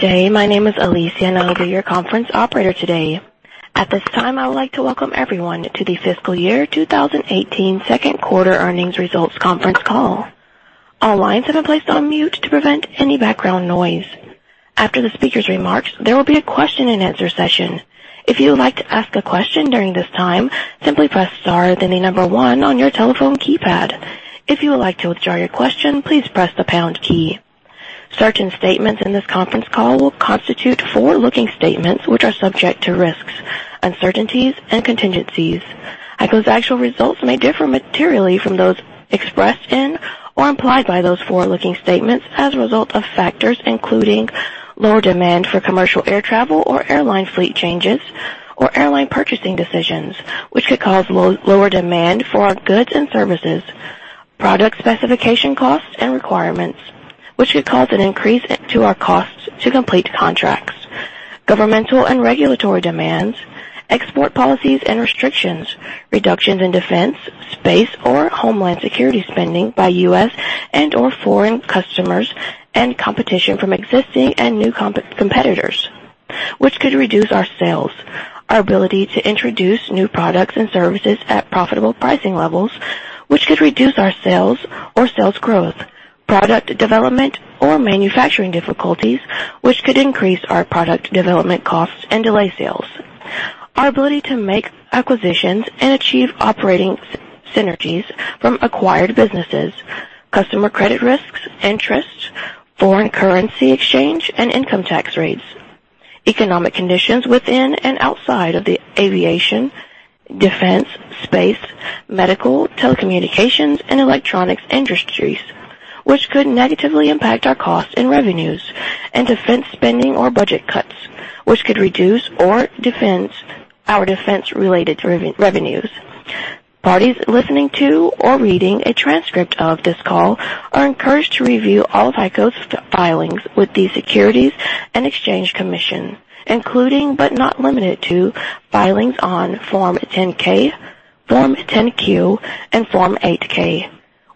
Good day. My name is Alicia, and I'll be your conference operator today. At this time, I would like to welcome everyone to the fiscal year 2018 second quarter earnings results conference call. All lines have been placed on mute to prevent any background noise. After the speaker's remarks, there will be a question-and-answer session. If you would like to ask a question during this time, simply press star, then the number 1 on your telephone keypad. If you would like to withdraw your question, please press the pound key. Certain statements in this conference call will constitute forward-looking statements, which are subject to risks, uncertainties, and contingencies. HEICO's actual results may differ materially from those expressed in or implied by those forward-looking statements as a result of factors including lower demand for commercial air travel or airline fleet changes or airline purchasing decisions, which could cause lower demand for our goods and services, product specification costs and requirements, which could cause an increase to our costs to complete contracts, governmental and regulatory demands, export policies and restrictions, reductions in defense, space, or homeland security spending by U.S. and/or foreign customers, and competition from existing and new competitors, which could reduce our sales, our ability to introduce new products and services at profitable pricing levels, which could reduce our sales or sales growth, product development, or manufacturing difficulties, which could increase our product development costs and delay sales, our ability to make acquisitions and achieve operating synergies from acquired businesses, customer credit risks, interest, foreign currency exchange, and income tax rates, economic conditions within and outside of the aviation, defense, space, medical, telecommunications, and electronics industries, which could negatively impact our costs and revenues, and defense spending or budget cuts, which could reduce our defense-related revenues. Parties listening to or reading a transcript of this call are encouraged to review all of HEICO's filings with the Securities and Exchange Commission, including but not limited to filings on Form 10-K, Form 10-Q, and Form 8-K.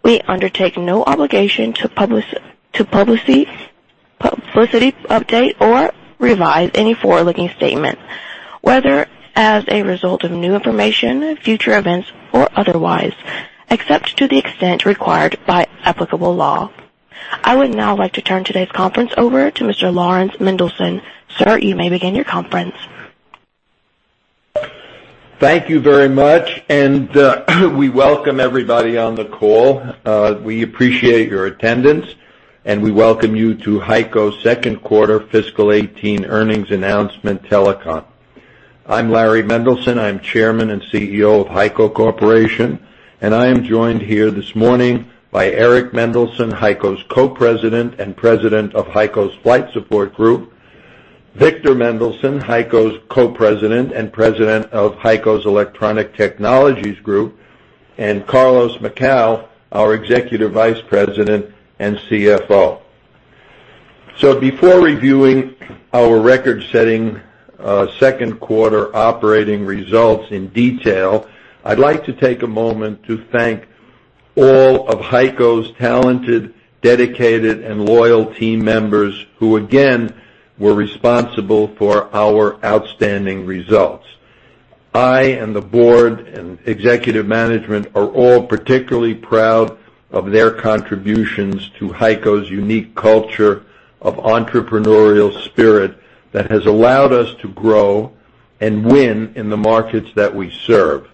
We undertake no obligation to publicly update or revise any forward-looking statements, whether as a result of new information, future events, or otherwise, except to the extent required by applicable law. I would now like to turn today's conference over to Mr. Laurans Mendelson. Sir, you may begin your conference. Thank you very much. We welcome everybody on the call. We appreciate your attendance, and we welcome you to HEICO's second quarter fiscal 2018 earnings announcement telecon. I'm Larry Mendelson. I'm Chairman and CEO of HEICO Corporation, and I am joined here this morning by Eric Mendelson, HEICO's Co-President and President of HEICO's Flight Support Group, Victor Mendelson, HEICO's Co-President and President of HEICO's Electronic Technologies Group, and Carlos Macau, our Executive Vice President and CFO. Before reviewing our record-setting second quarter operating results in detail, I'd like to take a moment to thank all of HEICO's talented, dedicated, and loyal team members who again were responsible for our outstanding results. I and the board and executive management are all particularly proud of their contributions to HEICO's unique culture of entrepreneurial spirit that has allowed us to grow and win in the markets that we serve.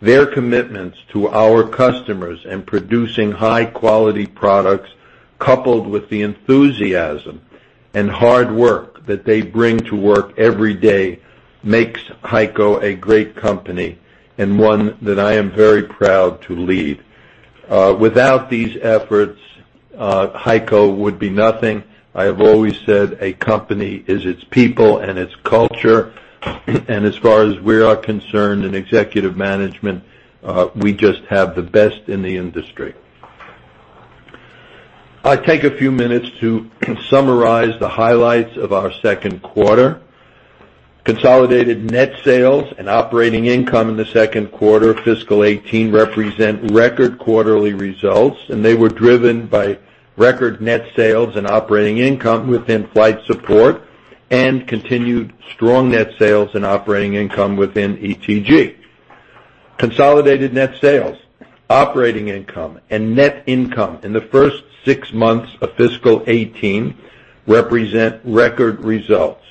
Their commitments to our customers and producing high-quality products, coupled with the enthusiasm and hard work that they bring to work every day, makes HEICO a great company and one that I am very proud to lead. Without these efforts, HEICO would be nothing. I have always said a company is its people and its culture, and as far as we are concerned in executive management, we just have the best in the industry. I'll take a few minutes to summarize the highlights of our second quarter. Consolidated net sales and operating income in the second quarter of fiscal 2018 represent record quarterly results. They were driven by record net sales and operating income within Flight Support and continued strong net sales and operating income within ETG. Consolidated net sales, operating income, and net income in the first six months of fiscal 2018 represent record results.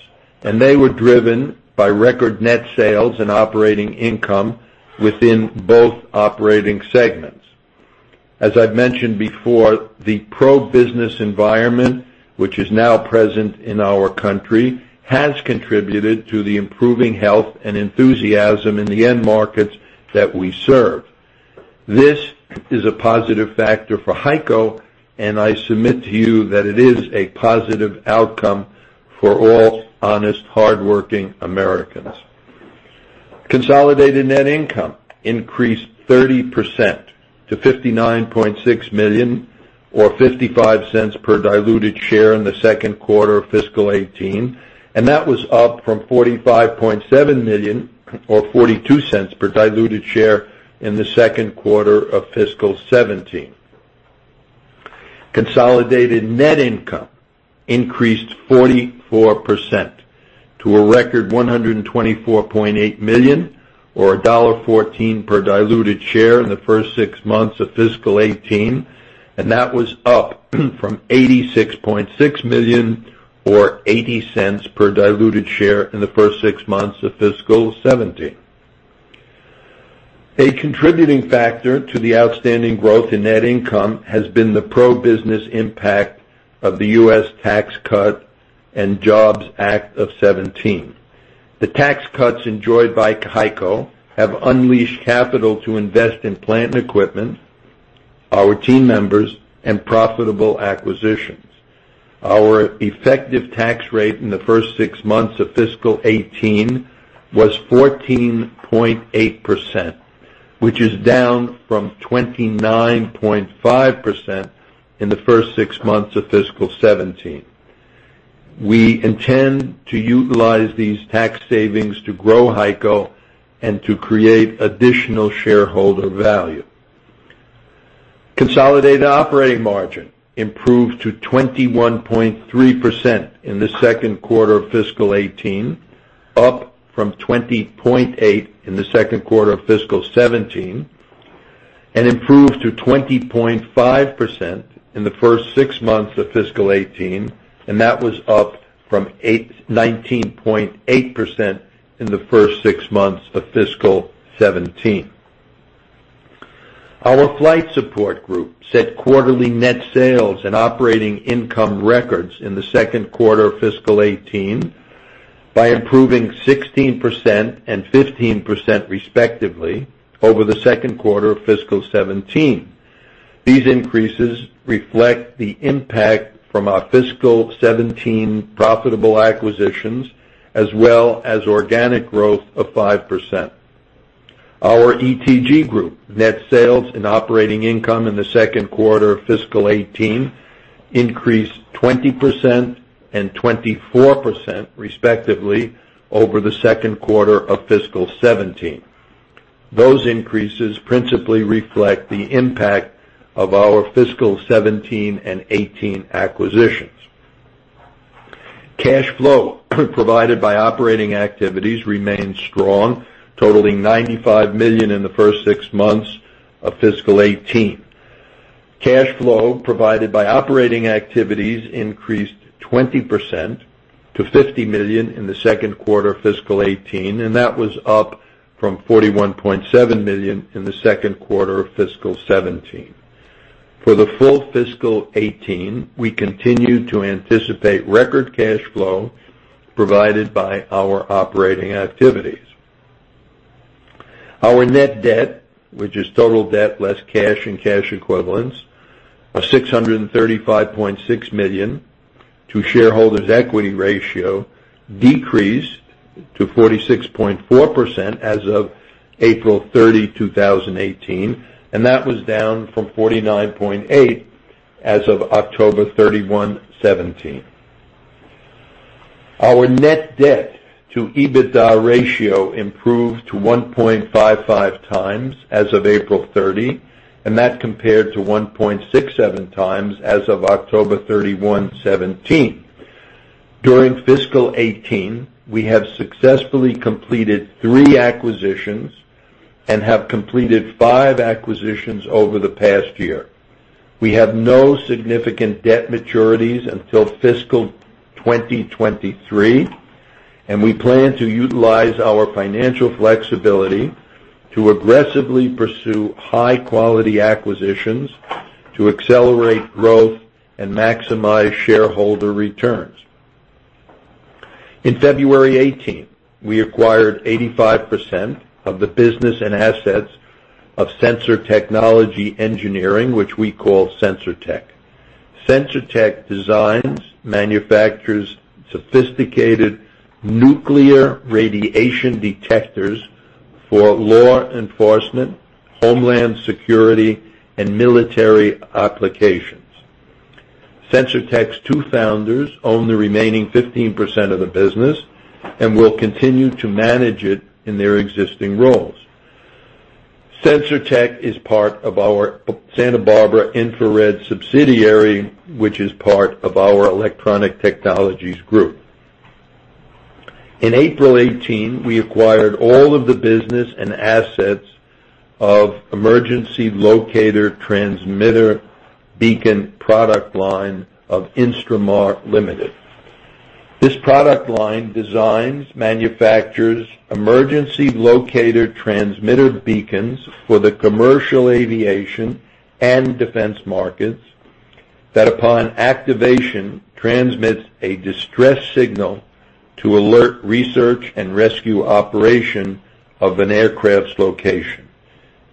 They were driven by record net sales and operating income within both operating segments. As I've mentioned before, the pro-business environment, which is now present in our country, has contributed to the improving health and enthusiasm in the end markets that we serve. This is a positive factor for HEICO. I submit to you that it is a positive outcome for all honest, hardworking Americans. Consolidated net income increased 30% to $59.6 million or $0.55 per diluted share in the second quarter of fiscal 2018. That was up from $45.7 million or $0.42 per diluted share in the second quarter of fiscal 2017. Consolidated net income increased 44% to a record $124.8 million, or $1.14 per diluted share in the first six months of fiscal 2018. That was up from $86.6 million, or $0.80 per diluted share in the first six months of fiscal 2017. A contributing factor to the outstanding growth in net income has been the pro-business impact of the U.S. Tax Cuts and Jobs Act of 2017. The tax cuts enjoyed by HEICO have unleashed capital to invest in plant and equipment, our team members, and profitable acquisitions. Our effective tax rate in the first six months of fiscal 2018 was 14.8%, which is down from 29.5% in the first six months of fiscal 2017. We intend to utilize these tax savings to grow HEICO and to create additional shareholder value. Consolidated operating margin improved to 21.3% in the second quarter of fiscal 2018, up from 20.8% in the second quarter of fiscal 2017. It improved to 20.5% in the first six months of fiscal 2018. That was up from 19.8% in the first six months of fiscal 2017. Our Flight Support Group set quarterly net sales and operating income records in the second quarter of fiscal 2018 by improving 16% and 15%, respectively, over the second quarter of fiscal 2017. These increases reflect the impact from our fiscal 2017 profitable acquisitions, as well as organic growth of 5%. Our ETG Group net sales and operating income in the second quarter of fiscal 2018 increased 20% and 24%, respectively, over the second quarter of fiscal 2017. Those increases principally reflect the impact of our fiscal 2017 and 2018 acquisitions. Cash flow provided by operating activities remained strong, totaling $95 million in the first six months of fiscal 2018. Cash flow provided by operating activities increased 20% to $50 million in the second quarter of fiscal 2018, that was up from $41.7 million in the second quarter of fiscal 2017. For the full fiscal 2018, we continue to anticipate record cash flow provided by our operating activities. Our net debt, which is total debt less cash and cash equivalents, a $635.6 million to shareholders' equity ratio, decreased to 46.4% as of April 30, 2018, that was down from 49.8% as of October 31, 2017. Our net debt to EBITDA ratio improved to 1.55 times as of April 30, that compared to 1.67 times as of October 31, 2017. During fiscal 2018, we have successfully completed three acquisitions and have completed five acquisitions over the past year. We have no significant debt maturities until fiscal 2023, we plan to utilize our financial flexibility to aggressively pursue high-quality acquisitions to accelerate growth and maximize shareholder returns. In February 2018, we acquired 85% of the business and assets of Sensor Technology Engineering, which we call Sensortech. Sensortech designs, manufactures sophisticated nuclear radiation detectors for law enforcement, homeland security, and military applications. Sensortech's two founders own the remaining 15% of the business and will continue to manage it in their existing roles. Sensortech is part of our Santa Barbara Infrared subsidiary, which is part of our Electronic Technologies Group. In April 2018, we acquired all of the business and assets of Emergency Locator Transmitter Beacon product line of Instrumar Limited. This product line designs, manufactures emergency locator transmitter beacons for the commercial aviation and defense markets that, upon activation, transmits a distress signal to alert research and rescue operation of an aircraft's location.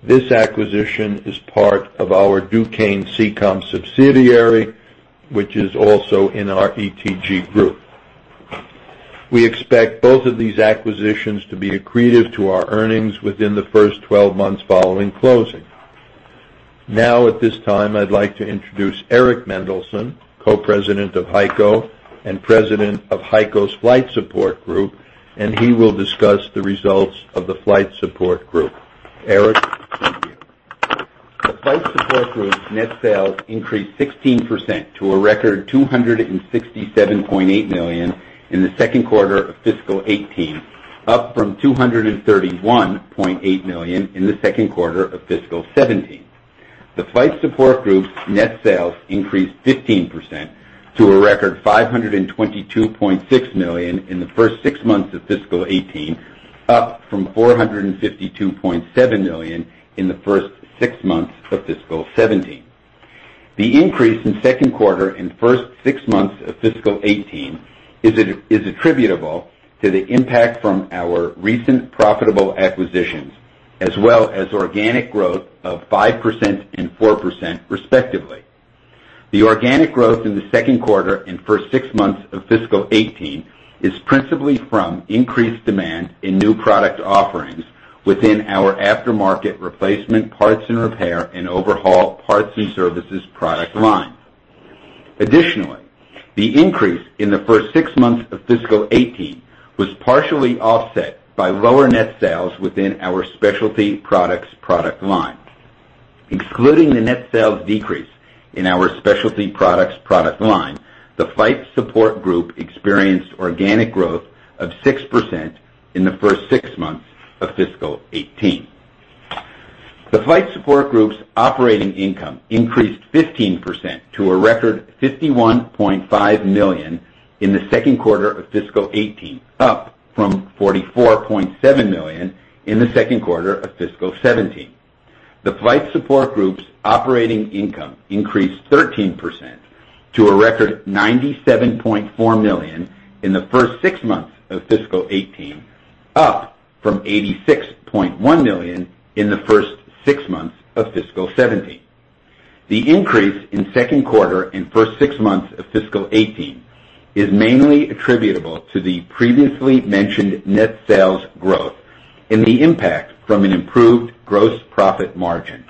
This acquisition is part of our Dukane Seacom subsidiary, which is also in our ETG Group. We expect both of these acquisitions to be accretive to our earnings within the first 12 months following closing. At this time, I'd like to introduce Eric Mendelson, Co-President of HEICO and President of HEICO's Flight Support Group- He will discuss the results of the Flight Support Group. Eric, it's you. The Flight Support Group's net sales increased 16% to a record $267.8 million in the Q2 of fiscal 2018, up from $231.8 million in the Q2 of fiscal 2017. The Flight Support Group's net sales increased 15% to a record $522.6 million in the first six months of fiscal 2018, up from $452.7 million in the first six months of fiscal 2017. The increase in Q2 and first six months of fiscal 2018 is attributable to the impact from our recent profitable acquisitions, as well as organic growth of 5% and 4%, respectively. The organic growth in the Q2 and first six months of fiscal 2018 is principally from increased demand in new product offerings within our aftermarket replacement parts and repair and overhaul parts and services product line. The increase in the first six months of fiscal 2018 was partially offset by lower net sales within our Specialty Products product line. Excluding the net sales decrease in our Specialty Products product line, the Flight Support Group experienced organic growth of 6% in the first six months of fiscal 2018. The Flight Support Group's operating income increased 15% to a record $51.5 million in the Q2 of fiscal 2018, up from $44.7 million in the Q2 of fiscal 2017. The Flight Support Group's operating income increased 13% to a record $97.4 million in the first six months of fiscal 2018, up from $86.1 million in the first six months of fiscal 2017. The increase in Q2 and first six months of fiscal 2018 is mainly attributable to the previously mentioned net sales growth and the impact from an improved gross profit margin,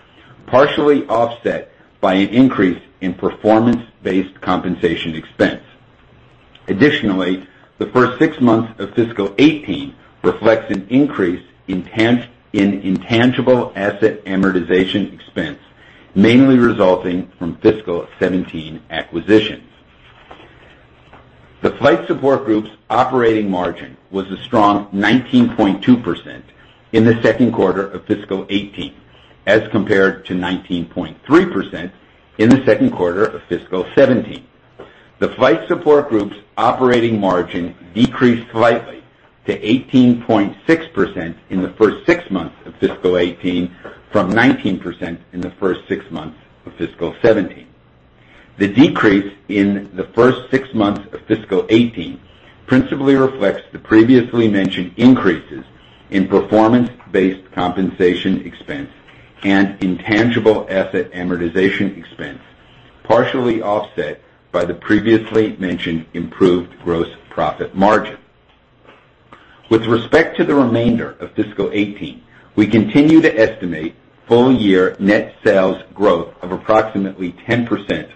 partially offset by an increase in performance-based compensation expense. The first six months of fiscal 2018 reflects an increase in intangible asset amortization expense, mainly resulting from fiscal 2017 acquisitions. The Flight Support Group's operating margin was a strong 19.2% in the Q2 of fiscal 2018, as compared to 19.3% in the Q2 of fiscal 2017. The Flight Support Group's operating margin decreased slightly to 18.6% in the first six months of fiscal 2018 from 19% in the first six months of fiscal 2017. The decrease in the first six months of fiscal 2018 principally reflects the previously mentioned increases in performance-based compensation expense and intangible asset amortization expense, partially offset by the previously mentioned improved gross profit margin. With respect to the remainder of fiscal 2018, we continue to estimate full-year net sales growth of approximately 10%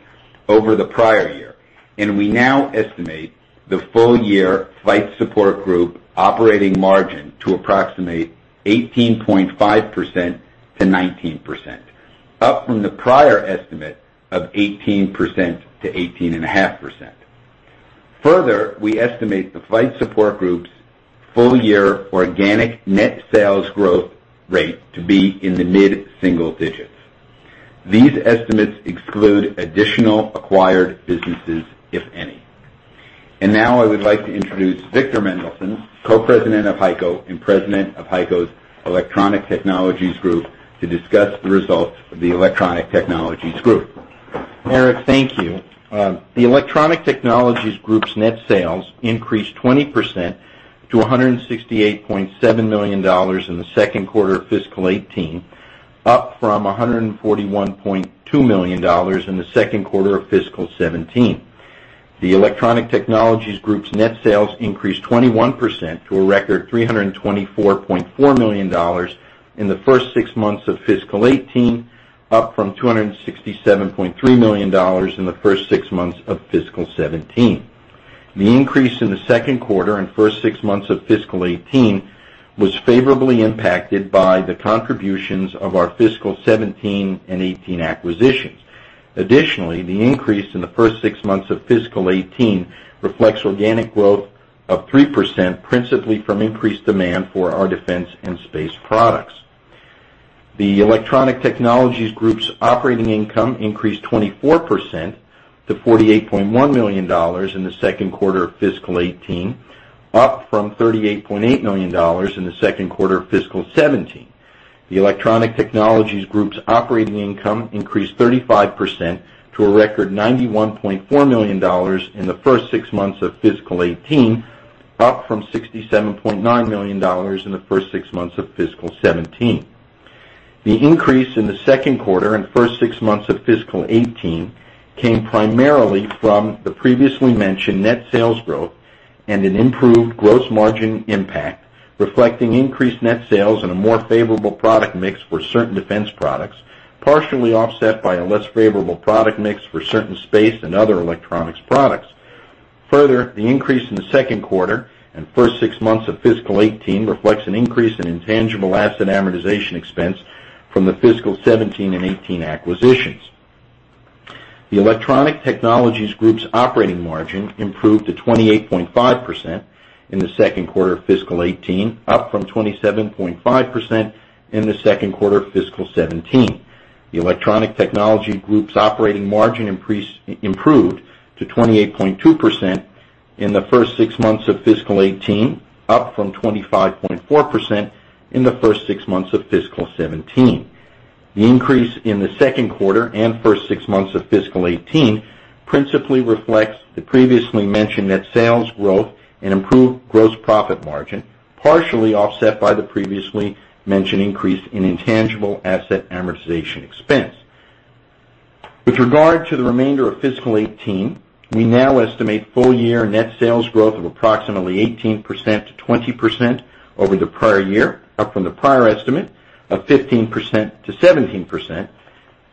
over the prior year, and we now estimate the full-year Flight Support Group operating margin to approximate 18.5%-19%, up from the prior estimate of 18%-18.5%. We estimate the Flight Support Group's full-year organic net sales growth rate to be in the mid-single digits. These estimates exclude additional acquired businesses, if any. I would like to introduce Victor Mendelson, Co-President of HEICO and President of HEICO's Electronic Technologies Group, to discuss the results of the Electronic Technologies Group. Eric, thank you. The Electronic Technologies Group's net sales increased 20% to $168.7 million in the Q2 of fiscal 2018, up from $141.2 million in the Q2 of fiscal 2017. The Electronic Technologies Group's net sales increased 21% to a record $324.4 million in the first six months of fiscal 2018, up from $267.3 million in the first six months of fiscal 2017. The increase in the Q2 and first six months of fiscal 2018 was favorably impacted by the contributions of our fiscal 2017 and 2018 acquisitions. Additionally, the increase in the first six months of fiscal 2018 reflects organic growth of 3%, principally from increased demand for our defense and space products. The Electronic Technologies Group's operating income increased 24% to $48.1 million in the Q2 of fiscal 2018, up from $38.8 million in the Q2 of fiscal 2017. The Electronic Technologies Group's operating income increased 35% to a record $91.4 million in the first six months of fiscal 2018, up from $67.9 million in the first six months of fiscal 2017. The increase in the Q2 and first six months of fiscal 2018 came primarily from the previously mentioned net sales growth and an improved gross margin impact Reflecting increased net sales and a more favorable product mix for certain defense products, partially offset by a less favorable product mix for certain space and other electronics products. The increase in the second quarter and first six months of fiscal 2018 reflects an increase in intangible asset amortization expense from the fiscal 2017 and 2018 acquisitions. The Electronic Technologies Group's operating margin improved to 28.5% in the second quarter of fiscal 2018, up from 27.5% in the second quarter of fiscal 2017. The Electronic Technologies Group's operating margin improved to 28.2% in the first six months of fiscal 2018, up from 25.4% in the first six months of fiscal 2017. The increase in the second quarter and first six months of fiscal 2018 principally reflects the previously mentioned net sales growth and improved gross profit margin, partially offset by the previously mentioned increase in intangible asset amortization expense. With regard to the remainder of fiscal 2018, we now estimate full-year net sales growth of approximately 18%-20% over the prior year, up from the prior estimate of 15%-17%,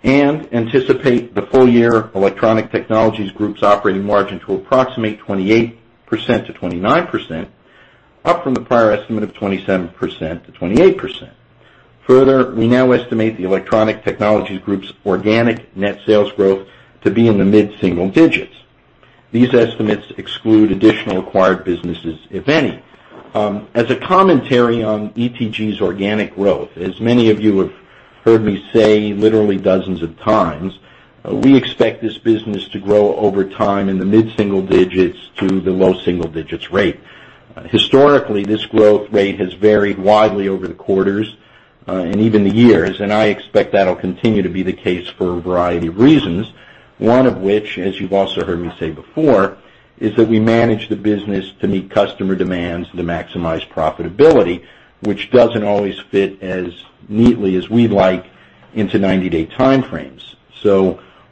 and anticipate the full-year Electronic Technologies Group's operating margin to approximate 28%-29%, up from the prior estimate of 27%-28%. We now estimate the Electronic Technologies Group's organic net sales growth to be in the mid-single digits. These estimates exclude additional acquired businesses, if any. As a commentary on ETG's organic growth, as many of you have heard me say literally dozens of times, we expect this business to grow over time in the mid-single digits to the low single digits rate. Historically, this growth rate has varied widely over the quarters, and even the years, and I expect that'll continue to be the case for a variety of reasons. One of which, as you've also heard me say before, is that we manage the business to meet customer demands to maximize profitability, which doesn't always fit as neatly as we'd like into 90-day time frames.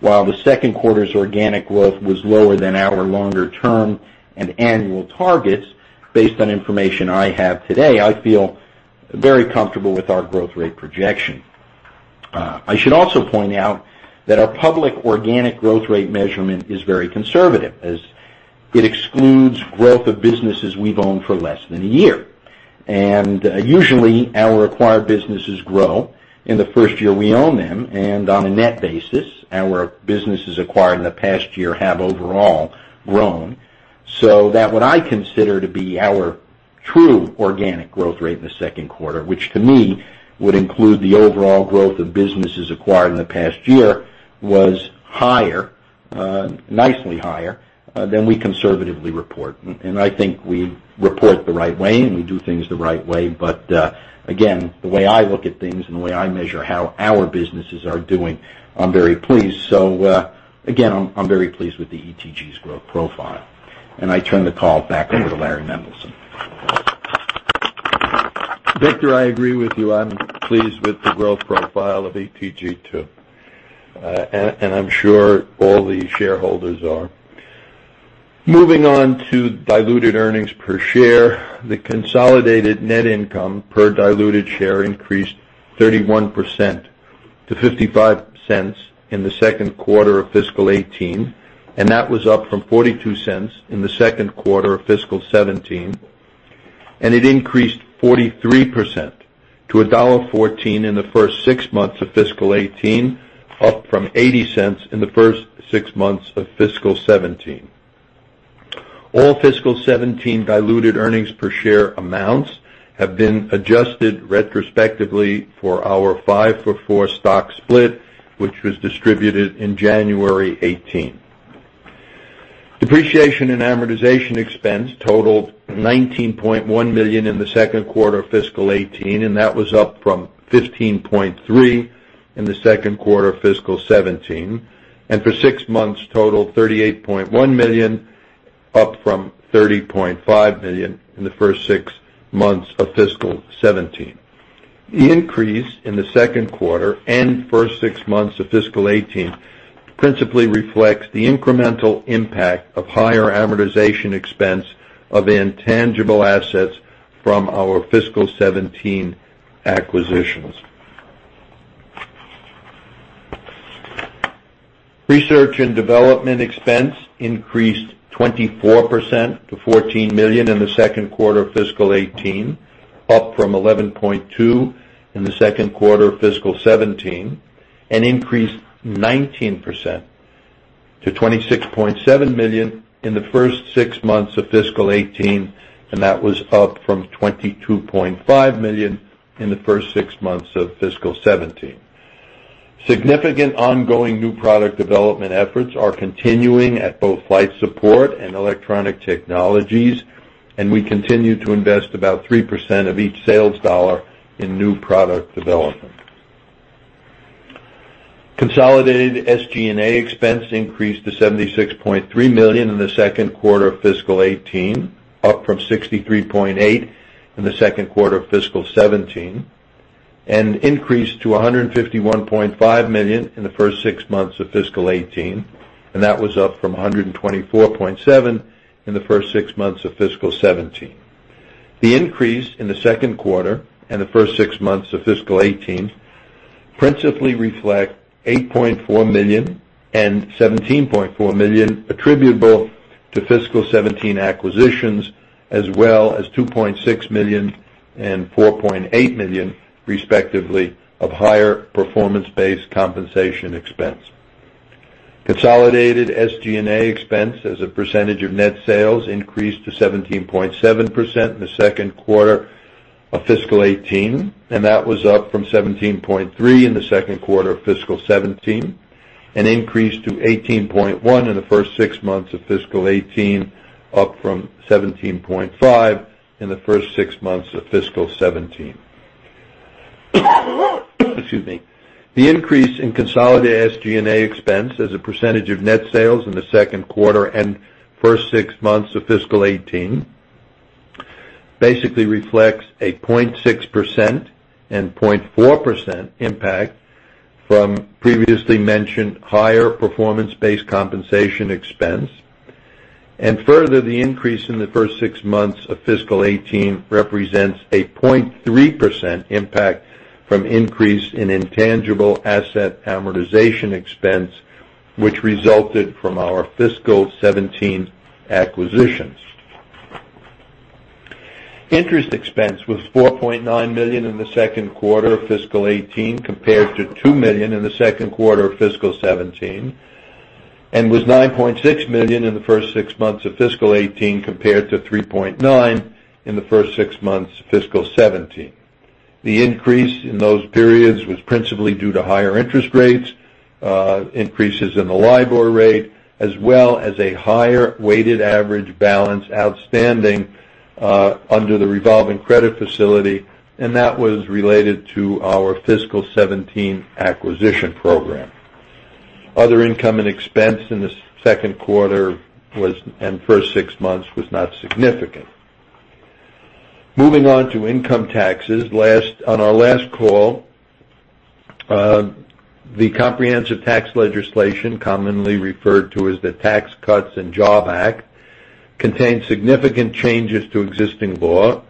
While the second quarter's organic growth was lower than our longer-term and annual targets, based on information I have today, I feel very comfortable with our growth rate projection. I should also point out that our public organic growth rate measurement is very conservative, as it excludes growth of businesses we've owned for less than a year. Usually, our acquired businesses grow in the first year we own them, and on a net basis, our businesses acquired in the past year have overall grown. That what I consider to be our true organic growth rate in the second quarter, which to me would include the overall growth of businesses acquired in the past year, was nicely higher than we conservatively report. I think we report the right way, and we do things the right way. Again, the way I look at things and the way I measure how our businesses are doing, I'm very pleased. Again, I'm very pleased with the ETG's growth profile. I turn the call back over to Larry Mendelson. Victor, I agree with you. I'm pleased with the growth profile of ETG too. I'm sure all the shareholders are. Moving on to diluted earnings per share. The consolidated net income per diluted share increased 31% to $0.55 in the second quarter of fiscal 2018, and that was up from $0.42 in the second quarter of fiscal 2017. It increased 43% to $1.14 in the first six months of fiscal 2018, up from $0.80 in the first six months of fiscal 2017. All fiscal 2017 diluted earnings per share amounts have been adjusted retrospectively for our five-for-four stock split, which was distributed in January 2018. Depreciation and amortization expense totaled $19.1 million in the second quarter of fiscal 2018, and that was up from $15.3 million in the second quarter of fiscal 2017. For six months, totaled $38.1 million, up from $30.5 million in the first six months of fiscal 2017. The increase in the second quarter and first six months of fiscal 2018 principally reflects the incremental impact of higher amortization expense of intangible assets from our fiscal 2017 acquisitions. Research and development expense increased 24% to $14 million in the second quarter of fiscal 2018, up from $11.2 million in the second quarter of fiscal 2017. It increased 19% to $26.7 million in the first six months of fiscal 2018, and that was up from $22.5 million in the first six months of fiscal 2017. Significant ongoing new product development efforts are continuing at both Flight Support and Electronic Technologies, and we continue to invest about 3% of each sales dollar in new product development. Consolidated SG&A expense increased to $76.3 million in the second quarter of fiscal 2018, up from $63.8 million in the second quarter of fiscal 2017. It increased to $151.5 million in the first six months of fiscal 2018, and that was up from $124.7 million in the first six months of fiscal 2017. The increase in the second quarter and the first six months of fiscal 2018 principally reflect $8.4 million and $17.4 million attributable to fiscal 2017 acquisitions, as well as $2.6 million and $4.8 million, respectively, of higher performance-based compensation expense. Consolidated SG&A expense as a percentage of net sales increased to 17.7% in the second quarter of fiscal 2018, and that was up from 17.3% in the second quarter of fiscal 2017, increased to 18.1% in the first six months of fiscal 2018, up from 17.5% in the first six months of fiscal 2017. Excuse me. The increase in consolidated SG&A expense as a percentage of net sales in the second quarter and first six months of fiscal 2018 basically reflects a 0.6% and 0.4% impact from previously mentioned higher performance-based compensation expense. Further, the increase in the first six months of fiscal 2018 represents a 0.3% impact from increase in intangible asset amortization expense, which resulted from our fiscal 2017 acquisitions. Interest expense was $4.9 million in the second quarter of fiscal 2018 compared to $2 million in the second quarter of fiscal 2017, and was $9.6 million in the first six months of fiscal 2018 compared to $3.9 in the first six months of fiscal 2017. The increase in those periods was principally due to higher interest rates, increases in the LIBOR rate, as well as a higher weighted average balance outstanding under the revolving credit facility, and that was related to our fiscal 2017 acquisition program. Other income and expense in the second quarter and first six months was not significant. Moving on to income taxes. On our last call, the comprehensive tax legislation, commonly referred to as the Tax Cuts and Jobs Act, contained significant changes to existing law.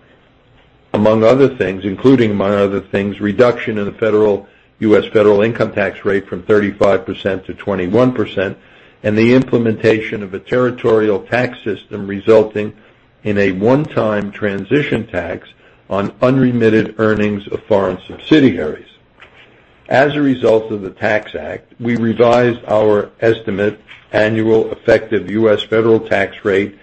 Among other things, including among other things, reduction in the U.S. federal income tax rate from 35% to 21%, and the implementation of a territorial tax system resulting in a one-time transition tax on unremitted earnings of foreign subsidiaries. As a result of the Tax Act, we revised our estimate annual effective U.S. federal tax rate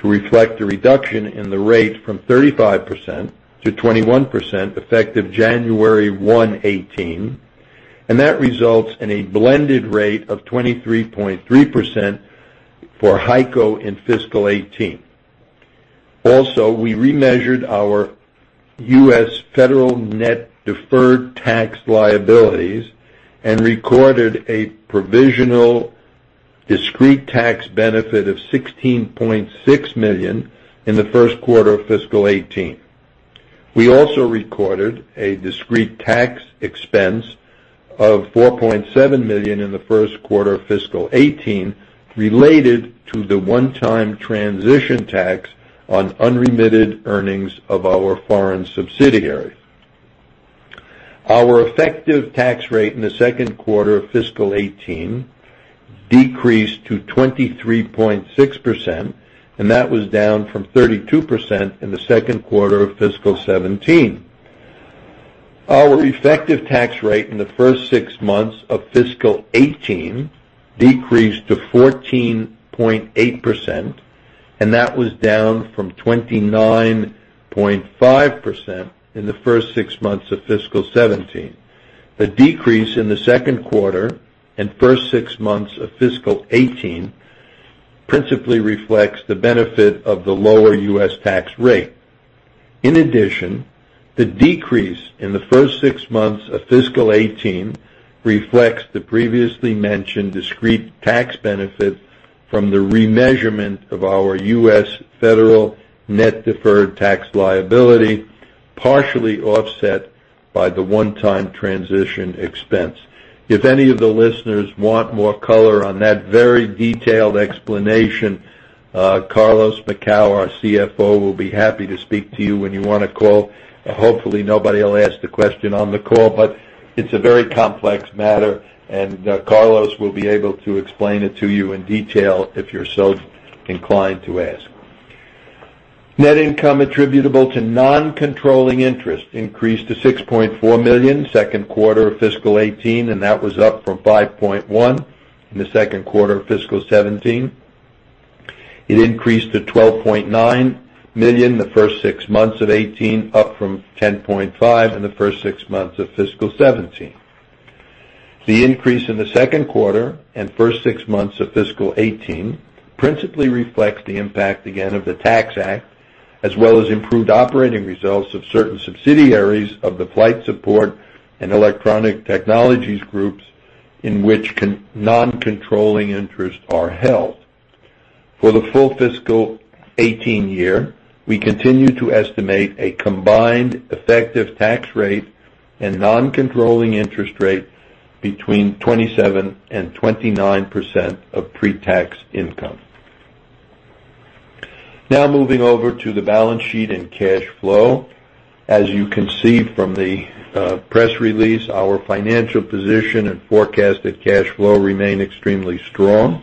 to reflect a reduction in the rate from 35% to 21%, effective January 1, 2018, and that results in a blended rate of 23.3% for HEICO in fiscal 2018. Also, we remeasured our U.S. federal net deferred tax liabilities and recorded a provisional discrete tax benefit of $16.6 million in the first quarter of fiscal 2018. We also recorded a discrete tax expense of $4.7 million in the first quarter of fiscal 2018 related to the one-time transition tax on unremitted earnings of our foreign subsidiary. Our effective tax rate in the second quarter of fiscal 2018 decreased to 23.6%, and that was down from 32% in the second quarter of fiscal 2017. Our effective tax rate in the first six months of fiscal 2018 decreased to 14.8%, and that was down from 29.5% in the first six months of fiscal 2017. The decrease in the second quarter and first six months of fiscal 2018 principally reflects the benefit of the lower U.S. tax rate. In addition, the decrease in the first six months of fiscal 2018 reflects the previously mentioned discrete tax benefit from the remeasurement of our U.S. federal net deferred tax liability, partially offset by the one-time transition expense. If any of the listeners want more color on that very detailed explanation, Carlos Macau, our CFO, will be happy to speak to you when you want to call. Hopefully, nobody will ask the question on the call, but it's a very complex matter, Carlos will be able to explain it to you in detail if you're so inclined to ask. Net income attributable to non-controlling interest increased to $6.4 million second quarter of fiscal 2018, and that was up from $5.1 million in the second quarter of fiscal 2017. It increased to $12.9 million in the first six months of 2018, up from $10.5 million in the first six months of fiscal 2017. The increase in the second quarter and first six months of fiscal 2018 principally reflects the impact again of the Tax Act, as well as improved operating results of certain subsidiaries of the Flight Support Group and Electronic Technologies Group in which non-controlling interests are held. For the full fiscal 2018 year, we continue to estimate a combined effective tax rate and non-controlling interest rate between 27%-29% of pre-tax income. Moving over to the balance sheet and cash flow. As you can see from the press release, our financial position and forecasted cash flow remain extremely strong.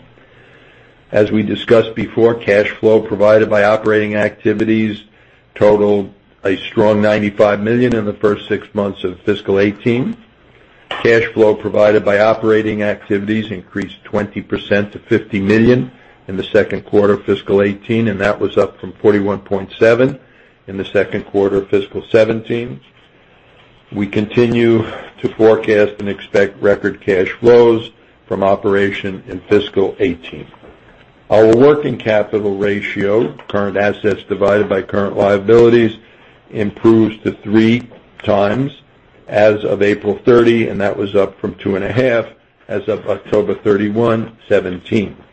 As we discussed before, cash flow provided by operating activities totaled a strong $95 million in the first six months of fiscal 2018. Cash flow provided by operating activities increased 20% to $50 million in the second quarter of fiscal 2018, and that was up from $41.7 million in the second quarter of fiscal 2017. We continue to forecast and expect record cash flows from operation in fiscal 2018. Our working capital ratio, current assets divided by current liabilities, improves to 3 times as of April 30, and that was up from 2.5 as of October 31, 2017.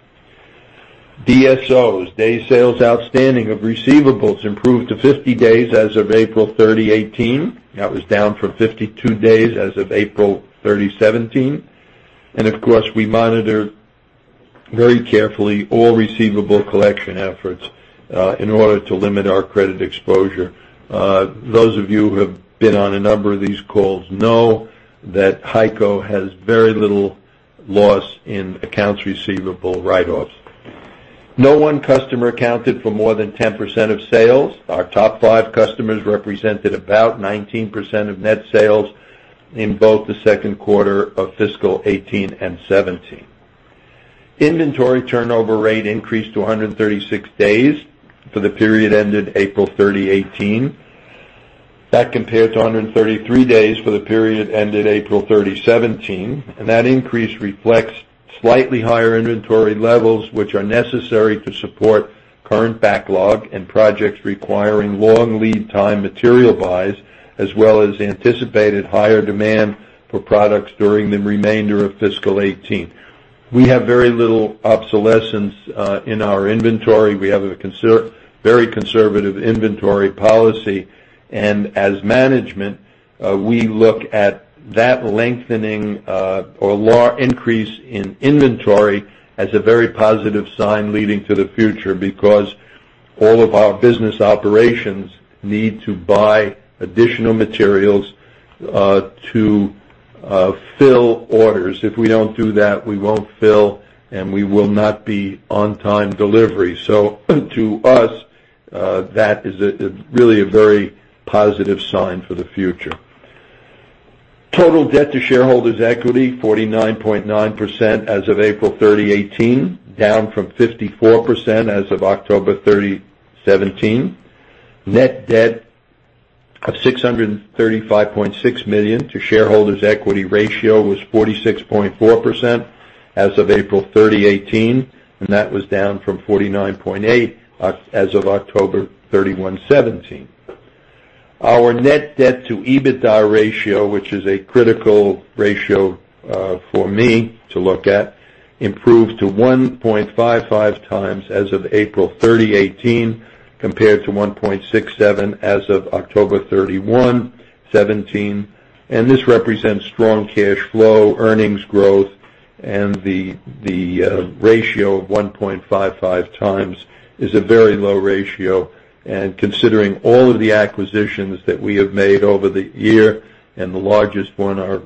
DSOs, days sales outstanding of receivables, improved to 50 days as of April 30, 2018. That was down from 52 days as of April 30, 2017. Of course, we monitor very carefully all receivable collection efforts in order to limit our credit exposure. Those of you who have been on a number of these calls know that HEICO has very little loss in accounts receivable write-offs. No one customer accounted for more than 10% of sales. Our top five customers represented about 19% of net sales in both the second quarter of fiscal 2018 and 2017. Inventory turnover rate increased to 136 days for the period ended April 30, 2018. That compared to 133 days for the period ended April 30, 2017, That increase reflects slightly higher inventory levels, which are necessary to support current backlog and projects requiring long lead time material buys, as well as anticipated higher demand for products during the remainder of fiscal 2018. We have very little obsolescence in our inventory. We have a very conservative inventory policy. As management, we look at that lengthening or increase in inventory as a very positive sign leading to the future, because all of our business operations need to buy additional materials to fill orders. If we don't do that, we won't fill, and we will not be on time delivery. To us, that is really a very positive sign for the future. Total debt to shareholders equity, 49.9% as of April 30, 2018, down from 54% as of October 2017. Net debt of $635.6 million to shareholders equity ratio was 46.4% as of April 30, 2018, that was down from 49.8% as of October 31, 2017. Our net debt to EBITDA ratio, which is a critical ratio for me to look at, improved to 1.55 times as of April 30, 2018 compared to 1.67 as of October 31, 2017. This represents strong cash flow, earnings growth, and the ratio of 1.55 times is a very low ratio. Considering all of the acquisitions that we have made over the year, and the largest one, our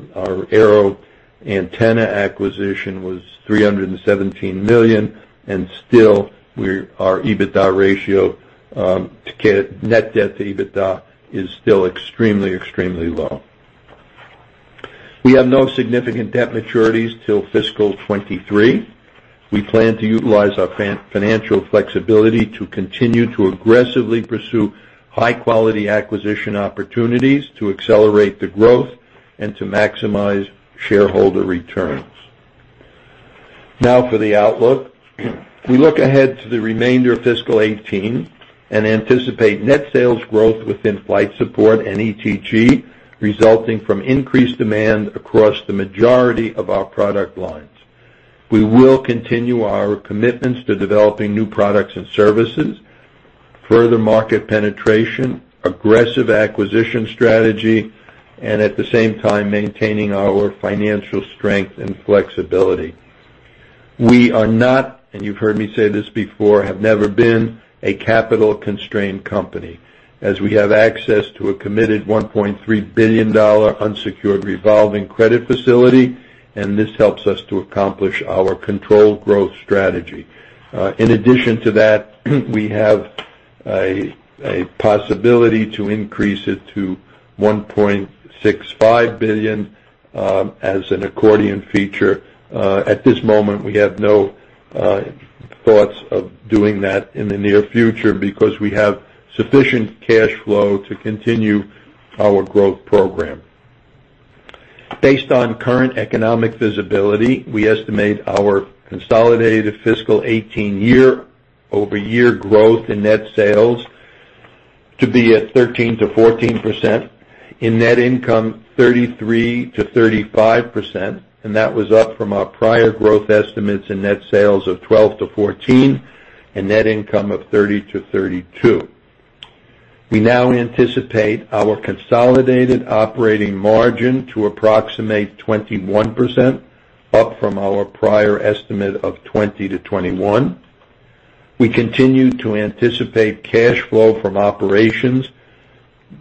AeroAntenna acquisition was $317 million, our net debt to EBITDA is still extremely low. We have no significant debt maturities till fiscal 2023. We plan to utilize our financial flexibility to continue to aggressively pursue high-quality acquisition opportunities to accelerate the growth and to maximize shareholder returns. Now for the outlook. We look ahead to the remainder of fiscal 2018 and anticipate net sales growth within Flight Support and ETG, resulting from increased demand across the majority of our product lines. We will continue our commitments to developing new products and services, further market penetration, aggressive acquisition strategy, at the same time, maintaining our financial strength and flexibility. We are not, and you've heard me say this before, have never been a capital-constrained company, as we have access to a committed $1.3 billion unsecured revolving credit facility. This helps us to accomplish our controlled growth strategy. In addition to that, we have a possibility to increase it to $1.65 billion as an accordion feature. At this moment, we have no thoughts of doing that in the near future because we have sufficient cash flow to continue our growth program. Based on current economic visibility, we estimate our consolidated fiscal 2018 year-over-year growth in net sales to be at 13%-14%. In net income, 33%-35%, that was up from our prior growth estimates in net sales of 12%-14%, and net income of 30%-32%. We now anticipate our consolidated operating margin to approximate 21%, up from our prior estimate of 20%-21%. We continue to anticipate cash flow from operations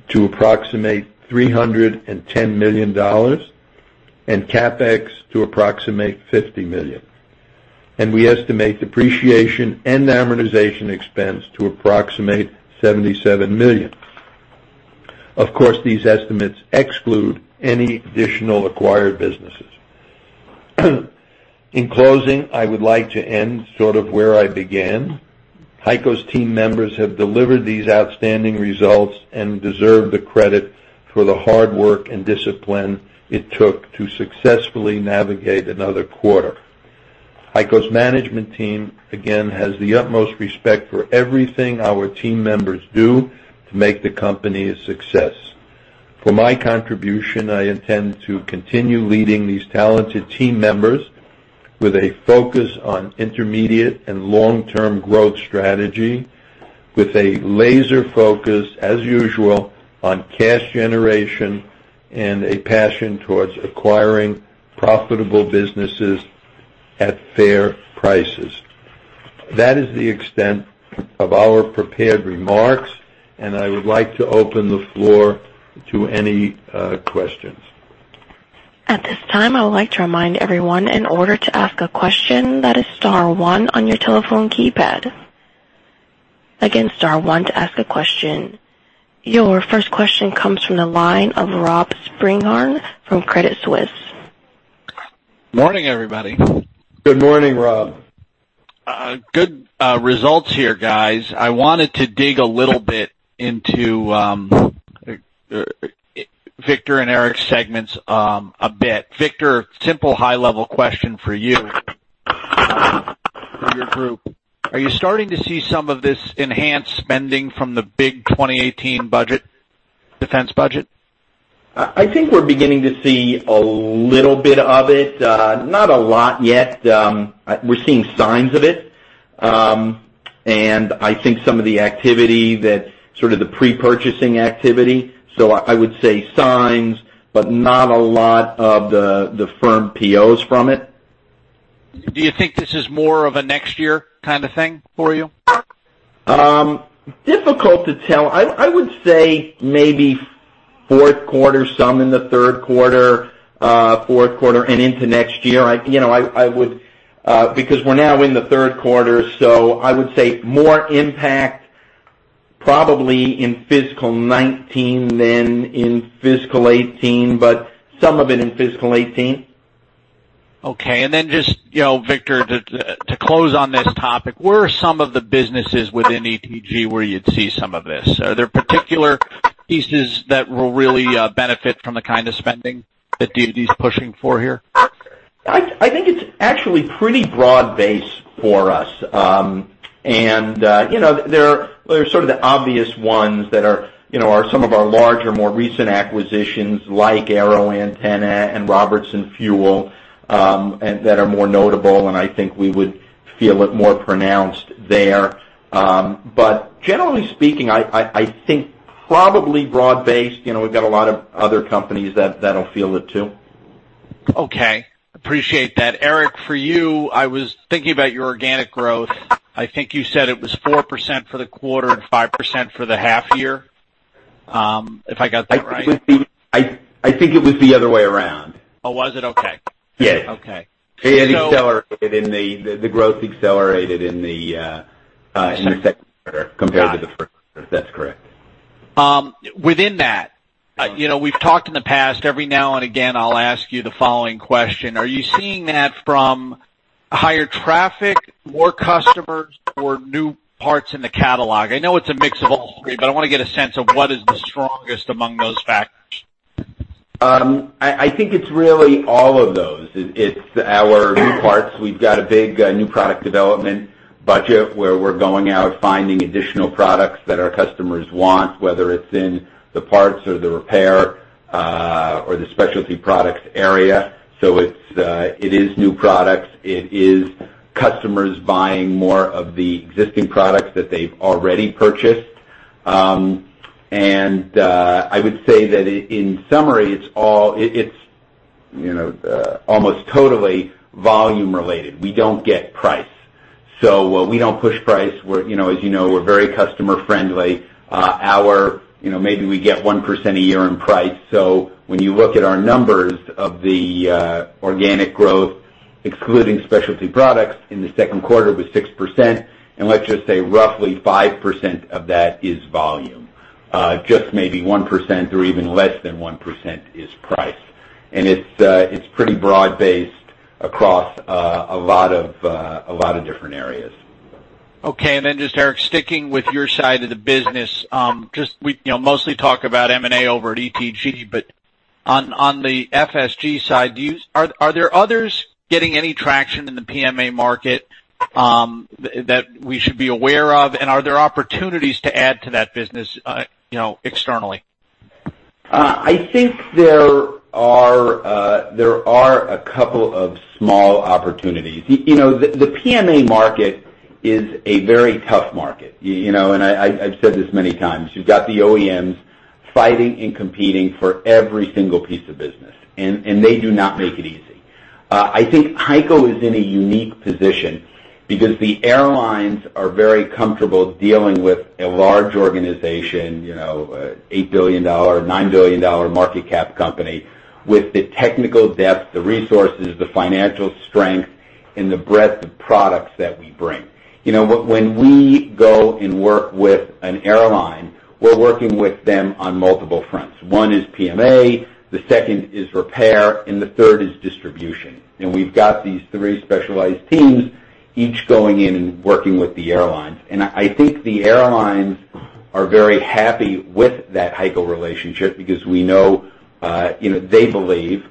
to approximate $310 million, and CapEx to approximate $50 million. We estimate depreciation and amortization expense to approximate $77 million. Of course, these estimates exclude any additional acquired businesses. In closing, I would like to end sort of where I began. HEICO's team members have delivered these outstanding results and deserve the credit for the hard work and discipline it took to successfully navigate another quarter. HEICO's management team, again, has the utmost respect for everything our team members do to make the company a success. For my contribution, I intend to continue leading these talented team members with a focus on intermediate and long-term growth strategy with a laser focus, as usual, on cash generation and a passion towards acquiring profitable businesses at fair prices. That is the extent of our prepared remarks, I would like to open the floor to any questions. At this time, I would like to remind everyone, in order to ask a question, that is star one on your telephone keypad. Again, star one to ask a question. Your first question comes from the line of Robert Spingarn from Credit Suisse. Morning, everybody. Good morning, Rob. Good results here, guys. I wanted to dig a little bit into Victor and Eric's segments a bit. Victor, simple high-level question for you, for your group. Are you starting to see some of this enhanced spending from the big 2018 defense budget? I think we're beginning to see a little bit of it. Not a lot yet. We're seeing signs of it. I think some of the activity that's sort of the pre-purchasing activity. I would say signs, but not a lot of the firm POs from it. Do you think this is more of a next year kind of thing for you? Difficult to tell. I would say maybe fourth quarter, some in the third quarter, fourth quarter and into next year. We're now in the third quarter, I would say more impact probably in fiscal 2019 than in fiscal 2018, but some of it in fiscal 2018. Okay. Then just, Victor, to close on this topic, where are some of the businesses within ETG where you'd see some of this? Are there particular pieces that will really benefit from the kind of spending that DoD's pushing for here? I think it's actually pretty broad-based for us. There are sort of the obvious ones that are some of our larger, more recent acquisitions, like AeroAntenna and Robertson Fuel, that are more notable, and I think we would feel it more pronounced there. Generally speaking, I think probably broad-based. We've got a lot of other companies that'll feel it too. Okay. Appreciate that. Eric, for you, I was thinking about your organic growth. I think you said it was 4% for the quarter and 5% for the half year. If I got that right. I think it was the other way around. Oh, was it? Okay. Yes. Okay. It accelerated. The growth accelerated in the second quarter compared to the first quarter. That's correct. Within that, we've talked in the past, every now and again, I'll ask you the following question: Are you seeing that from higher traffic, more customers, or new parts in the catalog? I know it's a mix of all three, but I want to get a sense of what is the strongest among those factors. I think it's really all of those. It's our new parts. We've got a big new product development budget where we're going out, finding additional products that our customers want, whether it's in the parts or the repair, or the Specialty Products area. It is new products. It is customers buying more of the existing products that they've already purchased. I would say that in summary, it's almost totally volume related. We don't get price. We don't push price. As you know, we're very customer friendly. Maybe we get 1% a year in price. When you look at our numbers of the organic growth, excluding Specialty Products in the second quarter, it was 6%, and let's just say roughly 5% of that is volume. Just maybe 1% or even less than 1% is price. It's pretty broad-based across a lot of different areas. Okay. Just, Eric, sticking with your side of the business. We mostly talk about M&A over at ETG. On the FSG side, are there others getting any traction in the PMA market that we should be aware of? Are there opportunities to add to that business externally? I think there are a couple of small opportunities. The PMA market is a very tough market, and I've said this many times. You've got the OEMs fighting and competing for every single piece of business, and they do not make it easy. I think HEICO is in a unique position because the airlines are very comfortable dealing with a large organization, a $8 billion, $9 billion market cap company with the technical depth, the resources, the financial strength, and the breadth of products that we bring. When we go and work with an airline, we're working with them on multiple fronts. One is PMA, the second is repair, and the third is distribution. We've got these three specialized teams each going in and working with the airlines. I think the airlines are very happy with that HEICO relationship because we know they believe,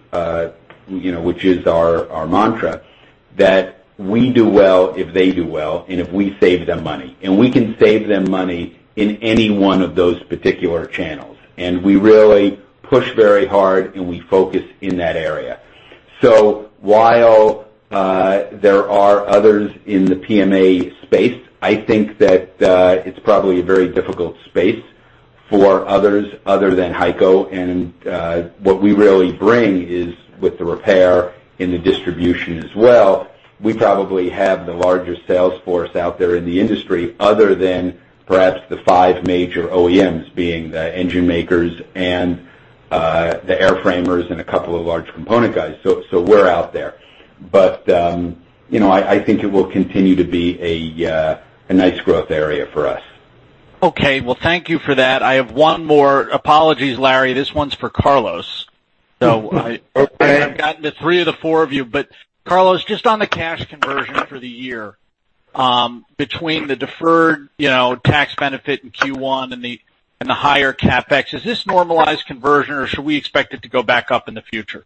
which is our mantra, that we do well if they do well, and if we save them money. We can save them money in any one of those particular channels. We really push very hard, and we focus in that area. While there are others in the PMA space, I think that it's probably a very difficult space for others other than HEICO. What we really bring is with the repair and the distribution as well, we probably have the largest sales force out there in the industry other than perhaps the five major OEMs, being the engine makers and the airframers and a couple of large component guys. We're out there. I think it will continue to be a nice growth area for us. Okay. Well, thank you for that. I have one more. Apologies, Larry. This one's for Carlos. Okay. I've gotten to three of the four of you. Carlos, just on the cash conversion for the year, between the deferred tax benefit in Q1 and the higher CapEx, is this normalized conversion, or should we expect it to go back up in the future?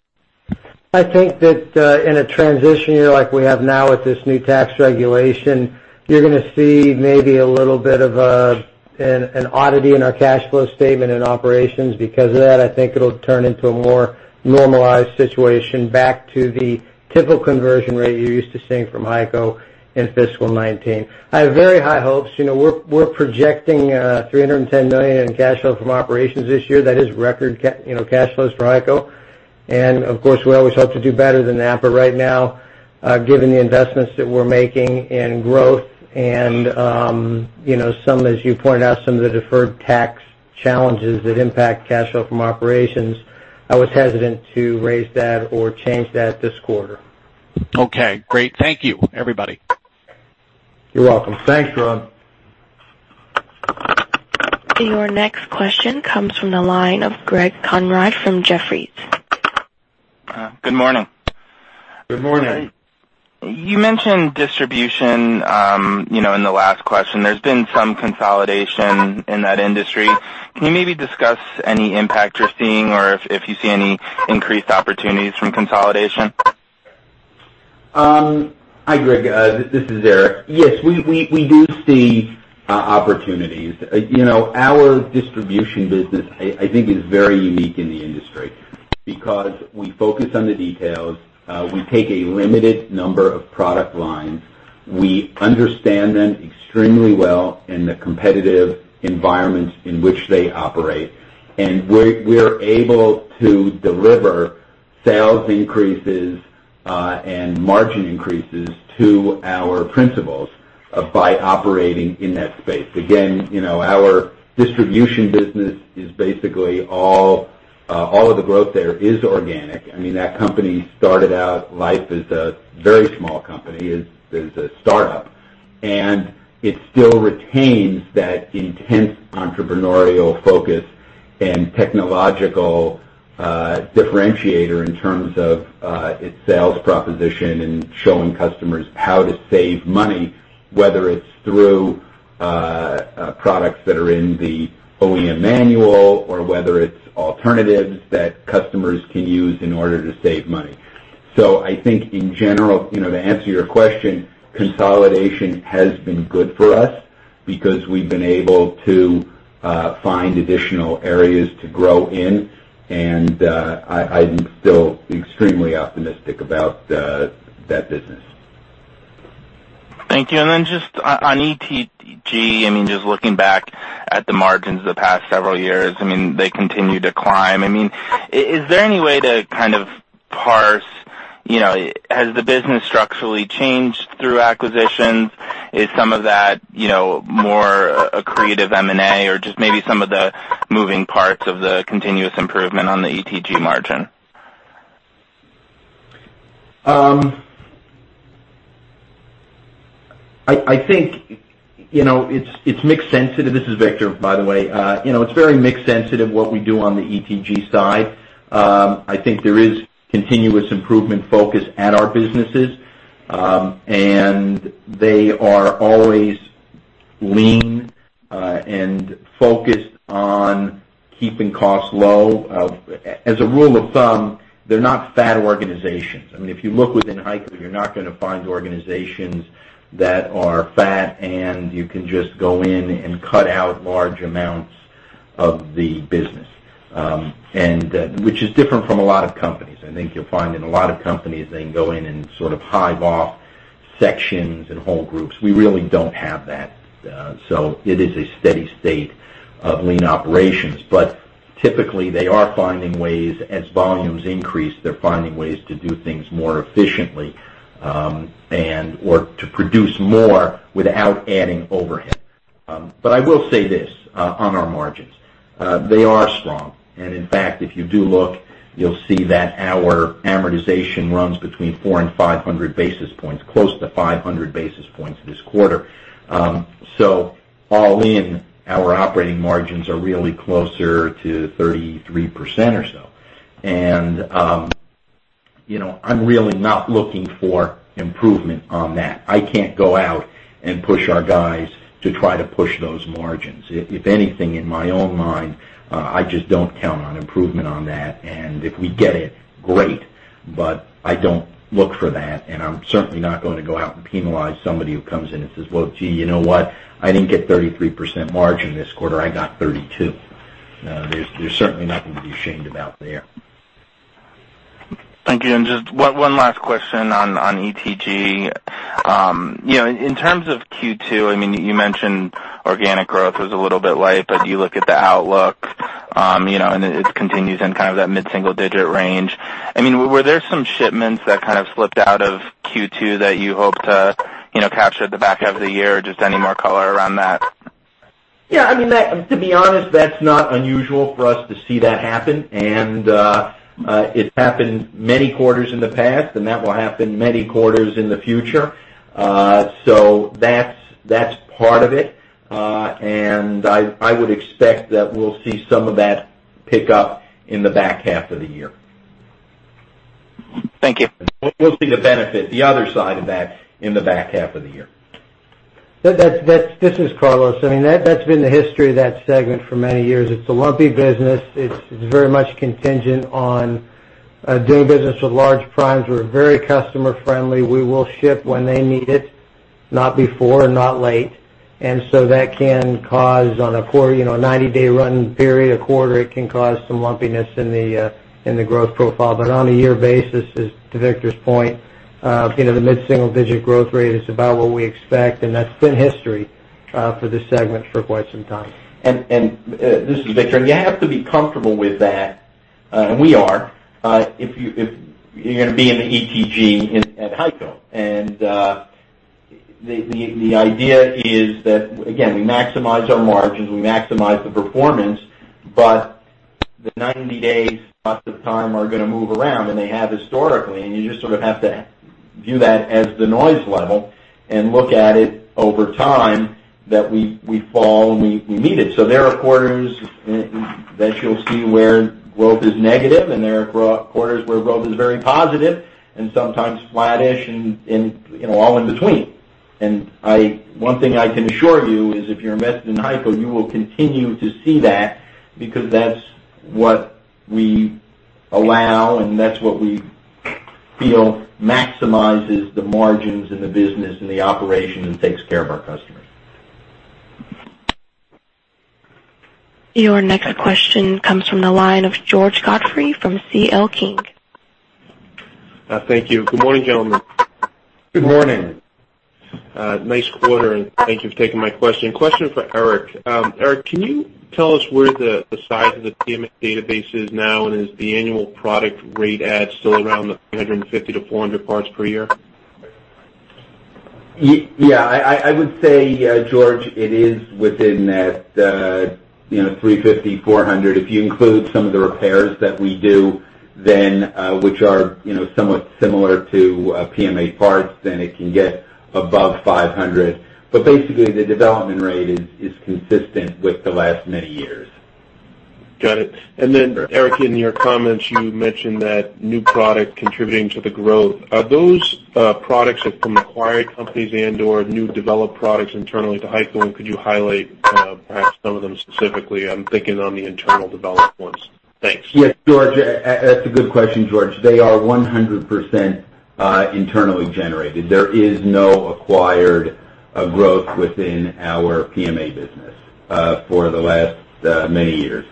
I think that in a transition year like we have now with this new tax regulation, you're going to see maybe a little bit of an oddity in our cash flow statement and operations. Because of that, I think it'll turn into a more normalized situation back to the typical conversion rate you're used to seeing from HEICO in fiscal 2019. I have very high hopes. We're projecting $310 million in cash flow from operations this year. That is record cash flows for HEICO. Of course, we always hope to do better than that, but right now, given the investments that we're making in growth and as you pointed out, some of the deferred tax challenges that impact cash flow from operations, I was hesitant to raise that or change that this quarter. Okay, great. Thank you, everybody. You're welcome. Thanks, Rob. Your next question comes from the line of Greg Konrad from Jefferies. Good morning. Good morning. You mentioned distribution in the last question. There's been some consolidation in that industry. Can you maybe discuss any impact you're seeing or if you see any increased opportunities from consolidation? Hi, Greg. This is Eric. Yes, we do see opportunities. Our distribution business, I think, is very unique in the industry because we focus on the details. We take a limited number of product lines. We understand them extremely well in the competitive environments in which they operate. We're able to deliver sales increases and margin increases to our principals by operating in that space. Again, our distribution business is basically all of the growth there is organic. That company started out life as a very small company, as a startup. It still retains that intense entrepreneurial focus and technological differentiator in terms of its sales proposition and showing customers how to save money, whether it's through products that are in the OEM manual or whether it's alternatives that customers can use in order to save money. I think in general, to answer your question, consolidation has been good for us because we've been able to find additional areas to grow in, and I'm still extremely optimistic about that business. Thank you. Then just on ETG, just looking back at the margins the past several years, they continue to climb. Is there any way to kind of parse, has the business structurally changed through acquisitions? Is some of that more accretive M&A or just maybe some of the moving parts of the continuous improvement on the ETG margin? I think it's mix sensitive. This is Victor, by the way. It's very mix sensitive, what we do on the ETG side. I think there is continuous improvement focus at our businesses, and they are always Lean and focused on keeping costs low. As a rule of thumb, they're not fat organizations. If you look within HEICO, you're not going to find organizations that are fat, and you can just go in and cut out large amounts of the business, which is different from a lot of companies. I think you'll find in a lot of companies, they can go in and hive off sections and whole groups. We really don't have that. It is a steady state of lean operations. Typically, they are finding ways, as volumes increase, they're finding ways to do things more efficiently or to produce more without adding overhead. I will say this on our margins. They are strong, and in fact, if you do look, you'll see that our amortization runs between 400 and 500 basis points, close to 500 basis points this quarter. All in, our operating margins are really closer to 33% or so. I'm really not looking for improvement on that. I can't go out and push our guys to try to push those margins. If anything, in my own mind, I just don't count on improvement on that, and if we get it, great, but I don't look for that, and I'm certainly not going to go out and penalize somebody who comes in and says, "Well, gee, you know what? I didn't get 33% margin this quarter. I got 32." There's certainly nothing to be ashamed about there. Thank you. Just one last question on ETG. In terms of Q2, you mentioned organic growth was a little bit light, but you look at the outlook, and it continues in that mid-single digit range. Were there some shipments that slipped out of Q2 that you hope to capture at the back half of the year, or just any more color around that? Yeah. To be honest, that's not unusual for us to see that happen, and it's happened many quarters in the past, and that will happen many quarters in the future. That's part of it. I would expect that we'll see some of that pick up in the back half of the year. Thank you. We'll see the benefit, the other side of that in the back half of the year. This is Carlos. That's been the history of that segment for many years. It's a lumpy business. It's very much contingent on doing business with large primes. We're very customer friendly. We will ship when they need it, not before and not late. That can cause on a 90-day run period, a quarter, it can cause some lumpiness in the growth profile. But on a year basis, to Victor's point, the mid-single digit growth rate is about what we expect, and that's been history for this segment for quite some time. This is Victor, you have to be comfortable with that, and we are, if you're going to be in the ETG at HEICO. The idea is that, again, we maximize our margins, we maximize the performance, the 90-day spots of time are going to move around, and they have historically, you just sort of have to view that as the noise level and look at it over time that we fall, and we meet it. There are quarters that you'll see where growth is negative, there are quarters where growth is very positive and sometimes flattish and all in between. One thing I can assure you is if you're invested in HEICO, you will continue to see that because that's what we allow, that's what we feel maximizes the margins, the business, the operation and takes care of our customers. Your next question comes from the line of George Godfrey from C.L. King. Thank you. Good morning, gentlemen. Good morning. Nice quarter, and thank you for taking my question. Question for Eric. Eric, can you tell us where the size of the PMA database is now, and is the annual product rate at still around the 350-400 parts per year? I would say, George, it is within that $350, $400. If you include some of the repairs that we do, which are somewhat similar to PMA parts, then it can get above $500. Basically, the development rate is consistent with the last many years. Got it. Then Eric, in your comments, you mentioned that new product contributing to the growth. Are those products from acquired companies and/or new developed products internally to HEICO, could you highlight perhaps some of them specifically? I'm thinking on the internal development ones. Thanks. Yes, George. That's a good question, George. They are 100% internally generated. There is no acquired growth within our PMA business for the last many years.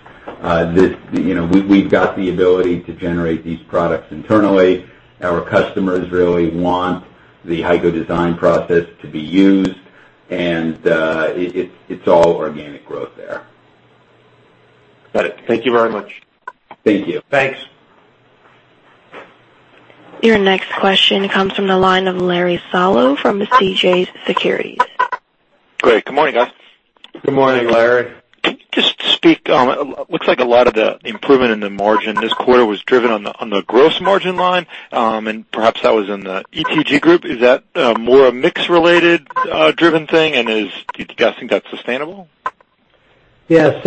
We've got the ability to generate these products internally. Our customers really want the HEICO design process to be used, it's all organic growth there. Got it. Thank you very much. Thank you. Thanks. Your next question comes from the line of Larry Solow from CJS Securities. Great. Good morning, guys. Good morning, Larry. Can you just speak on, looks like a lot of the improvement in the margin this quarter was driven on the gross margin line, and perhaps that was in the ETG Group. Is that more a mix-related driven thing, and do you guys think that's sustainable? Yeah.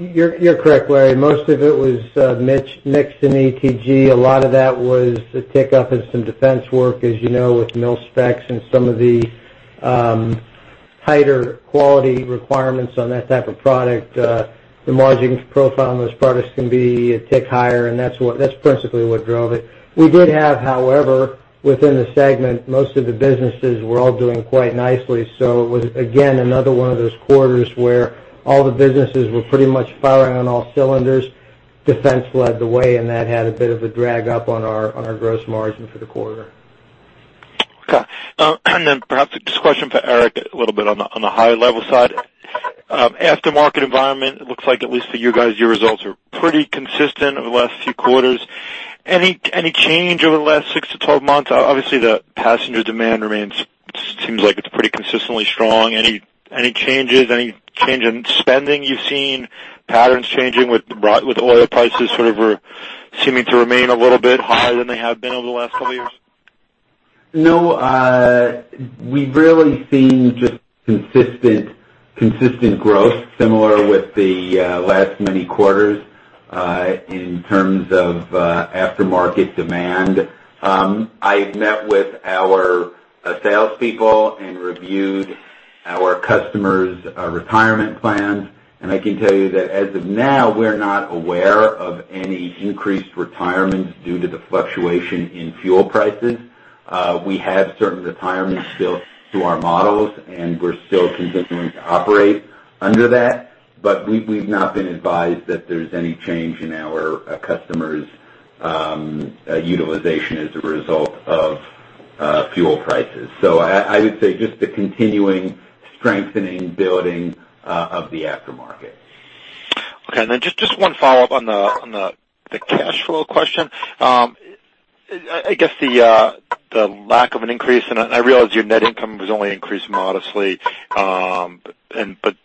You're correct, Larry. Most of it was mixed in ETG. A lot of that was a tick up in some defense work, as you know, with mil-specs and some of the tighter quality requirements on that type of product. The margin profile on those products can be a tick higher, and that's principally what drove it. We did have, however, within the segment, most of the businesses were all doing quite nicely. It was, again, another one of those quarters where all the businesses were pretty much firing on all cylinders. Defense led the way, and that had a bit of a drag up on our gross margin for the quarter. Okay. Perhaps just a question for Eric, a little bit on the higher-level side. Aftermarket environment, it looks like at least for you guys, your results are pretty consistent over the last few quarters. Any change over the last 6 to 12 months? Obviously, the passenger demand remains. Seems like it's pretty consistently strong. Any changes? Any change in spending you've seen? Patterns changing with oil prices sort of seeming to remain a little bit higher than they have been over the last couple of years? No. We've really seen just consistent growth, similar with the last many quarters in terms of aftermarket demand. I've met with our salespeople and reviewed our customers' retirement plans, and I can tell you that as of now, we're not aware of any increased retirements due to the fluctuation in fuel prices. We have certain retirements built to our models, and we're still continuing to operate under that, but we've not been advised that there's any change in our customers' utilization as a result of fuel prices. I would say just the continuing strengthening, building of the aftermarket. Just one follow-up on the cash flow question. I guess the lack of an increase, and I realize your net income has only increased modestly, but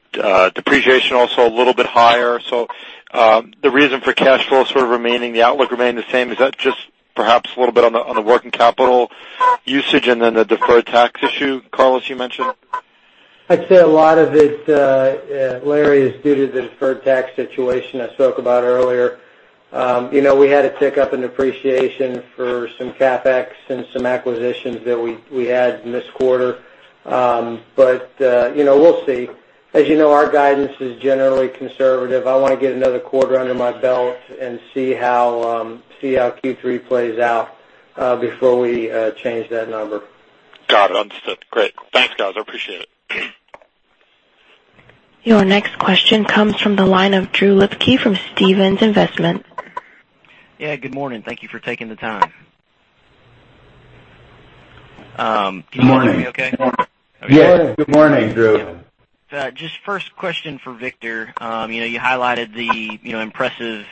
depreciation also a little bit higher. The reason for cash flow sort of remaining, the outlook remaining the same, is that just perhaps a little bit on the working capital usage and then the deferred tax issue, Carlos, you mentioned? I'd say a lot of it, Larry, is due to the deferred tax situation I spoke about earlier. We had a tick up in depreciation for some CapEx and some acquisitions that we had in this quarter. We'll see. As you know, our guidance is generally conservative. I want to get another quarter under my belt and see how Q3 plays out before we change that number. Got it. Understood. Great. Thanks, guys. I appreciate it. Your next question comes from the line of Drew Lipke from Stephens Inc.. Yeah, good morning. Thank you for taking the time. Can you hear me okay? Yes. Good morning, Drew. Just first question for Victor. You highlighted the impressive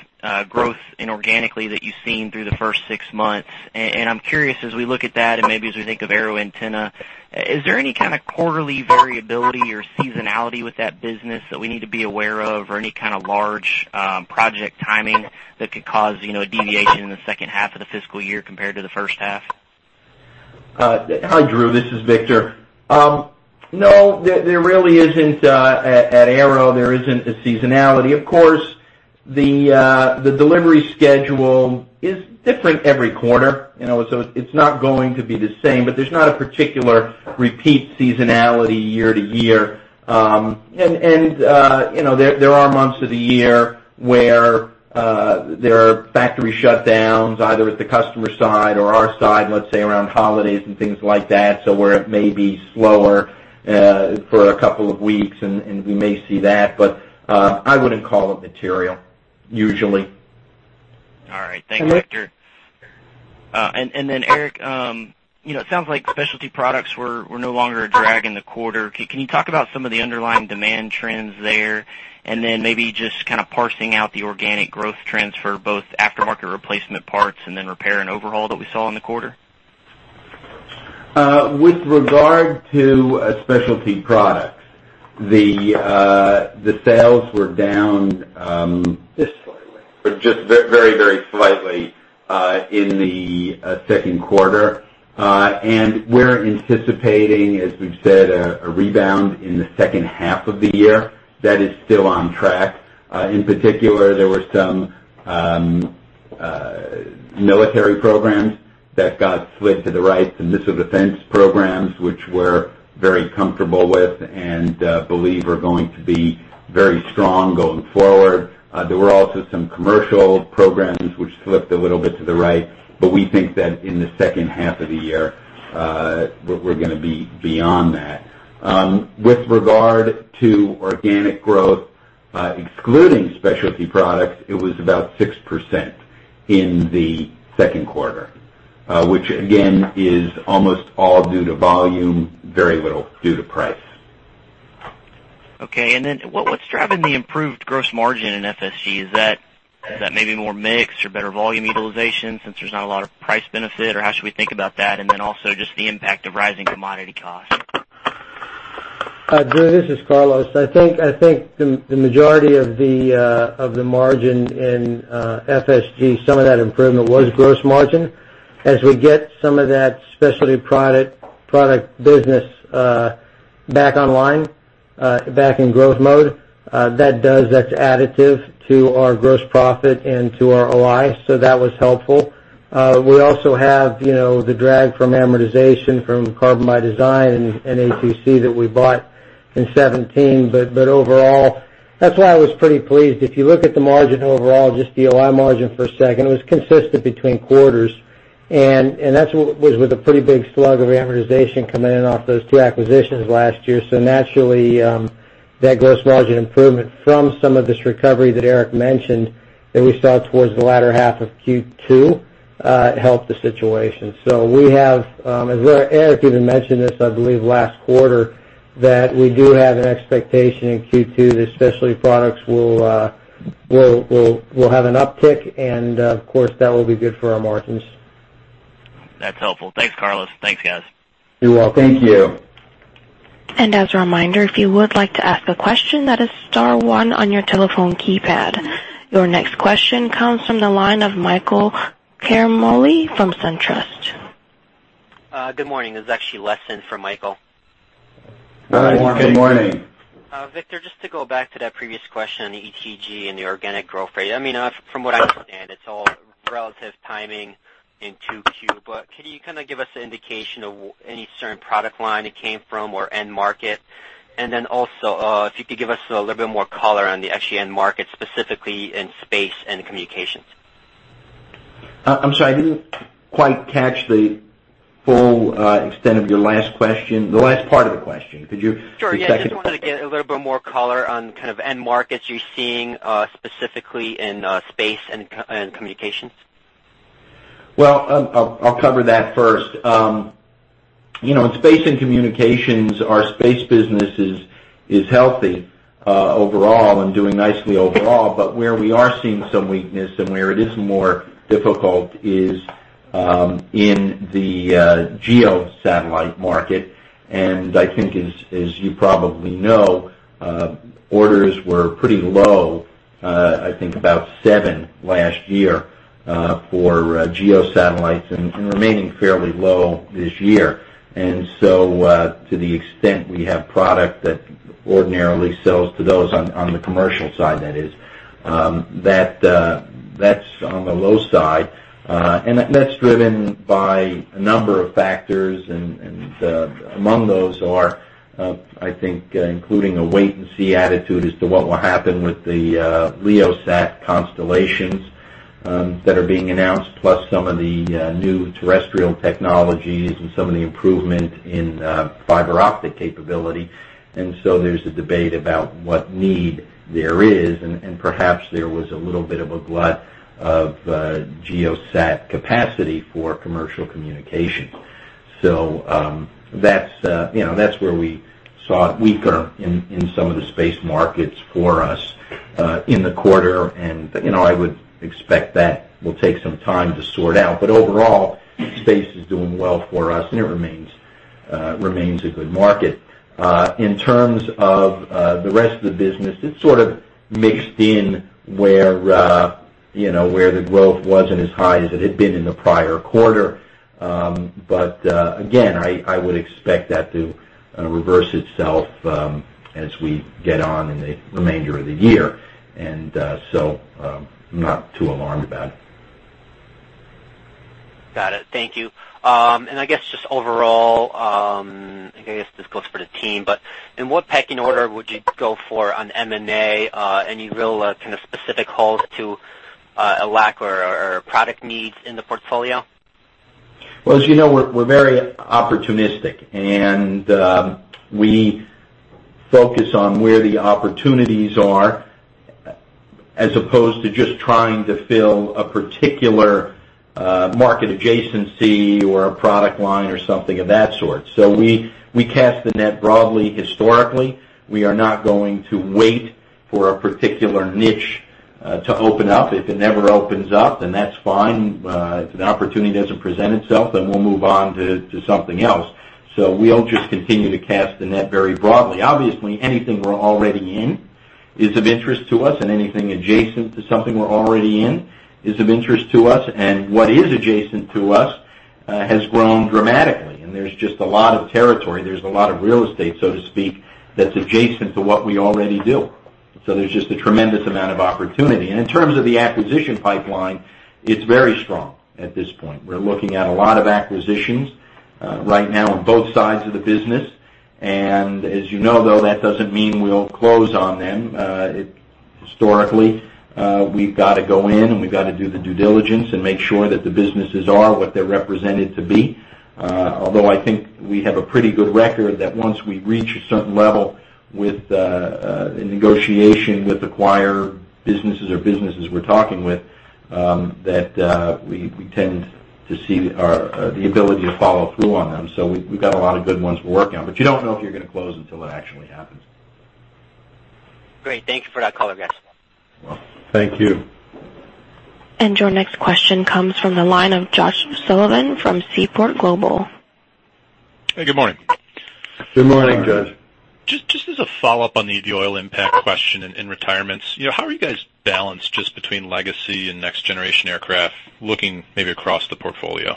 growth inorganically that you've seen through the first six months, and I'm curious as we look at that and maybe as we think of AeroAntenna Technology, is there any kind of quarterly variability or seasonality with that business that we need to be aware of, or any kind of large project timing that could cause a deviation in the second half of the fiscal year compared to the first half? Hi, Drew. This is Victor. No, there really isn't. At AeroAntenna, there isn't a seasonality. Of course, the delivery schedule is different every quarter. It's not going to be the same, but there's not a particular repeat seasonality year to year. There are months of the year where there are factory shutdowns, either at the customer side or our side, let's say, around holidays and things like that. Where it may be slower for a couple of weeks, and we may see that, but I wouldn't call it material usually. Thanks, Victor. Eric, it sounds like Specialty Products were no longer a drag in the quarter. Can you talk about some of the underlying demand trends there, then maybe just kind of parsing out the organic growth trends for both aftermarket replacement parts and then repair and overhaul that we saw in the quarter? With regard to Specialty Products, the sales were down just very, very slightly in the second quarter. We're anticipating, as we've said, a rebound in the second half of the year. That is still on track. In particular, there were some military programs that got slid to the right, some missile defense programs which we're very comfortable with and believe are going to be very strong going forward. There were also some commercial programs which slipped a little bit to the right, but we think that in the second half of the year, we're going to be beyond that. With regard to organic growth, excluding Specialty Products, it was about 6% in the second quarter, which again, is almost all due to volume, very little due to price. Okay. What's driving the improved gross margin in FSG? Is that maybe more mix or better volume utilization since there's not a lot of price benefit, or how should we think about that? Also just the impact of rising commodity costs. Drew, this is Carlos. I think the majority of the margin in FSG, some of that improvement was gross margin. As we get some of that Specialty Products business back online, back in growth mode, that's additive to our gross profit and to our OI, that was helpful. We also have the drag from amortization from Carbon by Design and ACC that we bought in 2017. Overall, that's why I was pretty pleased. If you look at the margin overall, just the OI margin for a second, it was consistent between quarters, and that was with a pretty big slug of amortization coming in off those two acquisitions last year. Naturally, that gross margin improvement from some of this recovery that Eric mentioned that we saw towards the latter half of Q2, helped the situation. We have, as Eric even mentioned this, I believe, last quarter, that we do have an expectation in Q2 that Specialty Products will have an uptick and, of course, that will be good for our margins. That's helpful. Thanks, Carlos. Thanks, guys. You're welcome. Thank you. As a reminder, if you would like to ask a question, that is star one on your telephone keypad. Your next question comes from the line of Michael Ciarmoli from SunTrust. Good morning. This is actually Les on for Michael. Good morning. Good morning. Victor, just to go back to that previous question on the ETG and the organic growth rate. From what I understand, it's all relative timing in 2Q. Could you kind of give us an indication of any certain product line it came from or end market? If you could give us a little bit more color on the end market, specifically in space and communications. I'm sorry, I didn't quite catch the full extent of your last question, the last part of the question. Could you repeat that? Sure. I just wanted to get a little bit more color on kind of end markets you're seeing, specifically in space and communications. Well, I'll cover that first. In space and communications, our space business is healthy overall and doing nicely overall. Where we are seeing some weakness and where it is more difficult is in the geo satellite market. I think as you probably know, orders were pretty low, I think about seven last year, for geo satellites, and remaining fairly low this year. To the extent we have product that ordinarily sells to those on the commercial side, that is. That's on the low side. That's driven by a number of factors, and among those are, I think, including a wait-and-see attitude as to what will happen with the LEO sat constellations that are being announced, plus some of the new terrestrial technologies and some of the improvement in fiber optic capability. There's a debate about what need there is, and perhaps there was a little bit of a glut of geo sat capacity for commercial communication. That's where we saw it weaker in some of the space markets for us in the quarter, and I would expect that will take some time to sort out. Overall, space is doing well for us, and it remains a good market. In terms of the rest of the business, it's sort of mixed in where the growth wasn't as high as it had been in the prior quarter. Again, I would expect that to reverse itself as we get on in the remainder of the year. I'm not too alarmed about it. Got it. Thank you. I guess just overall, I guess this goes for the team, but in what packing order would you go for on M&A? Any real kind of specific holes to a lack or product needs in the portfolio? Well, as you know, we're very opportunistic. We focus on where the opportunities are as opposed to just trying to fill a particular market adjacency or a product line or something of that sort. We cast the net broadly historically. We are not going to wait for a particular niche to open up. If it never opens up, then that's fine. If an opportunity doesn't present itself, then we'll move on to something else. We'll just continue to cast the net very broadly. Obviously, anything we're already in is of interest to us. Anything adjacent to something we're already in is of interest to us. What is adjacent to us has grown dramatically, and there's just a lot of territory. There's a lot of real estate, so to speak, that's adjacent to what we already do. There's just a tremendous amount of opportunity. In terms of the acquisition pipeline, it's very strong at this point. We're looking at a lot of acquisitions right now on both sides of the business. As you know, though, that doesn't mean we'll close on them. Historically, we've got to go in, and we've got to do the due diligence and make sure that the businesses are what they're represented to be. Although I think we have a pretty good record that once we reach a certain level with a negotiation with acquired businesses or businesses we're talking with, that we tend to see the ability to follow through on them. We've got a lot of good ones we're working on, but you don't know if you're going to close until it actually happens. Great. Thank you for that color, guys. You're welcome. Your next question comes from the line of Josh Sullivan from Seaport Global. Hey, good morning. Good morning, Josh. Just as a follow-up on the oil impact question and retirements. How are you guys balanced just between legacy and next generation aircraft, looking maybe across the portfolio?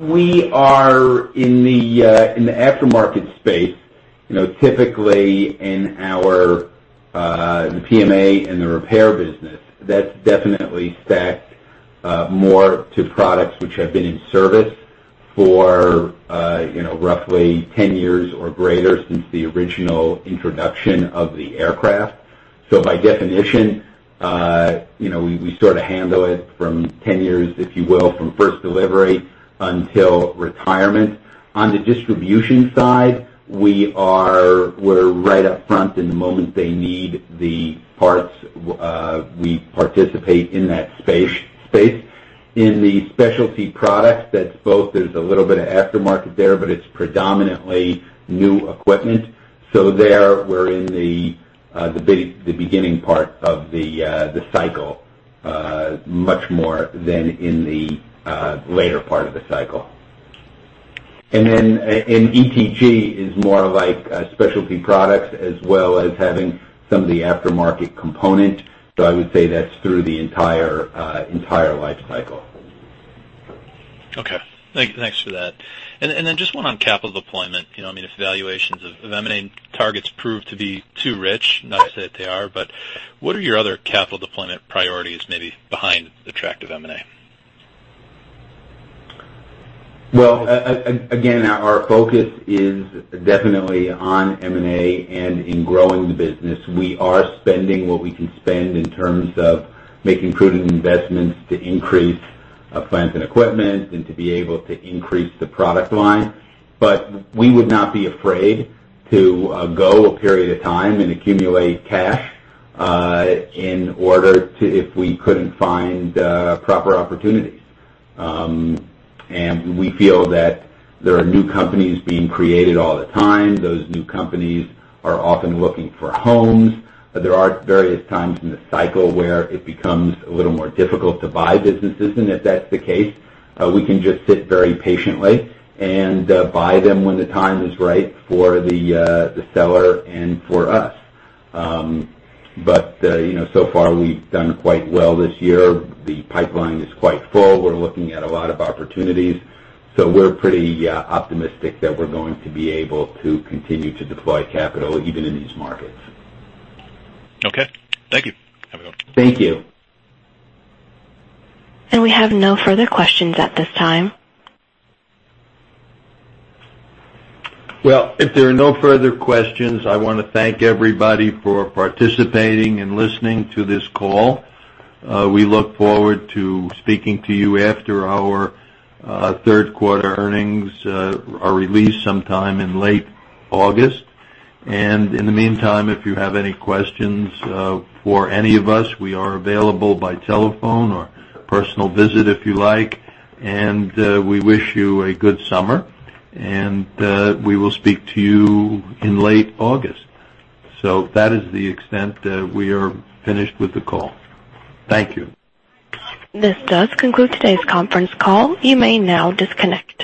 We are in the aftermarket space. Typically, in our PMA and the repair business, that's definitely stacked more to products which have been in service for roughly 10 years or greater since the original introduction of the aircraft. By definition, we sort of handle it from 10 years, if you will, from first delivery until retirement. On the distribution side, we're right up front the moment they need the parts, we participate in that space. In the Specialty Products, there's a little bit of aftermarket there, but it's predominantly new equipment. There, we're in the beginning part of the cycle much more than in the later part of the cycle. ETG is more like a specialty product as well as having some of the aftermarket component. I would say that's through the entire life cycle. Okay. Thanks for that. Just one on capital deployment. If valuations of M&A targets prove to be too rich, not to say that they are, what are your other capital deployment priorities maybe behind attractive M&A? Well, again, our focus is definitely on M&A and in growing the business. We are spending what we can spend in terms of making prudent investments to increase plants and equipment and to be able to increase the product line. We would not be afraid to go a period of time and accumulate cash, if we couldn't find proper opportunities. We feel that there are new companies being created all the time. Those new companies are often looking for homes. There are various times in the cycle where it becomes a little more difficult to buy businesses, and if that's the case, we can just sit very patiently and buy them when the time is right for the seller and for us. So far, we've done quite well this year. The pipeline is quite full. We're looking at a lot of opportunities. We're pretty optimistic that we're going to be able to continue to deploy capital even in these markets. Okay. Thank you. Have a good one. Thank you. We have no further questions at this time. Well, if there are no further questions, I want to thank everybody for participating and listening to this call. We look forward to speaking to you after our third quarter earnings are released sometime in late August. In the meantime, if you have any questions for any of us, we are available by telephone or personal visit if you like. We wish you a good summer. We will speak to you in late August. That is the extent. We are finished with the call. Thank you. This does conclude today's conference call. You may now disconnect.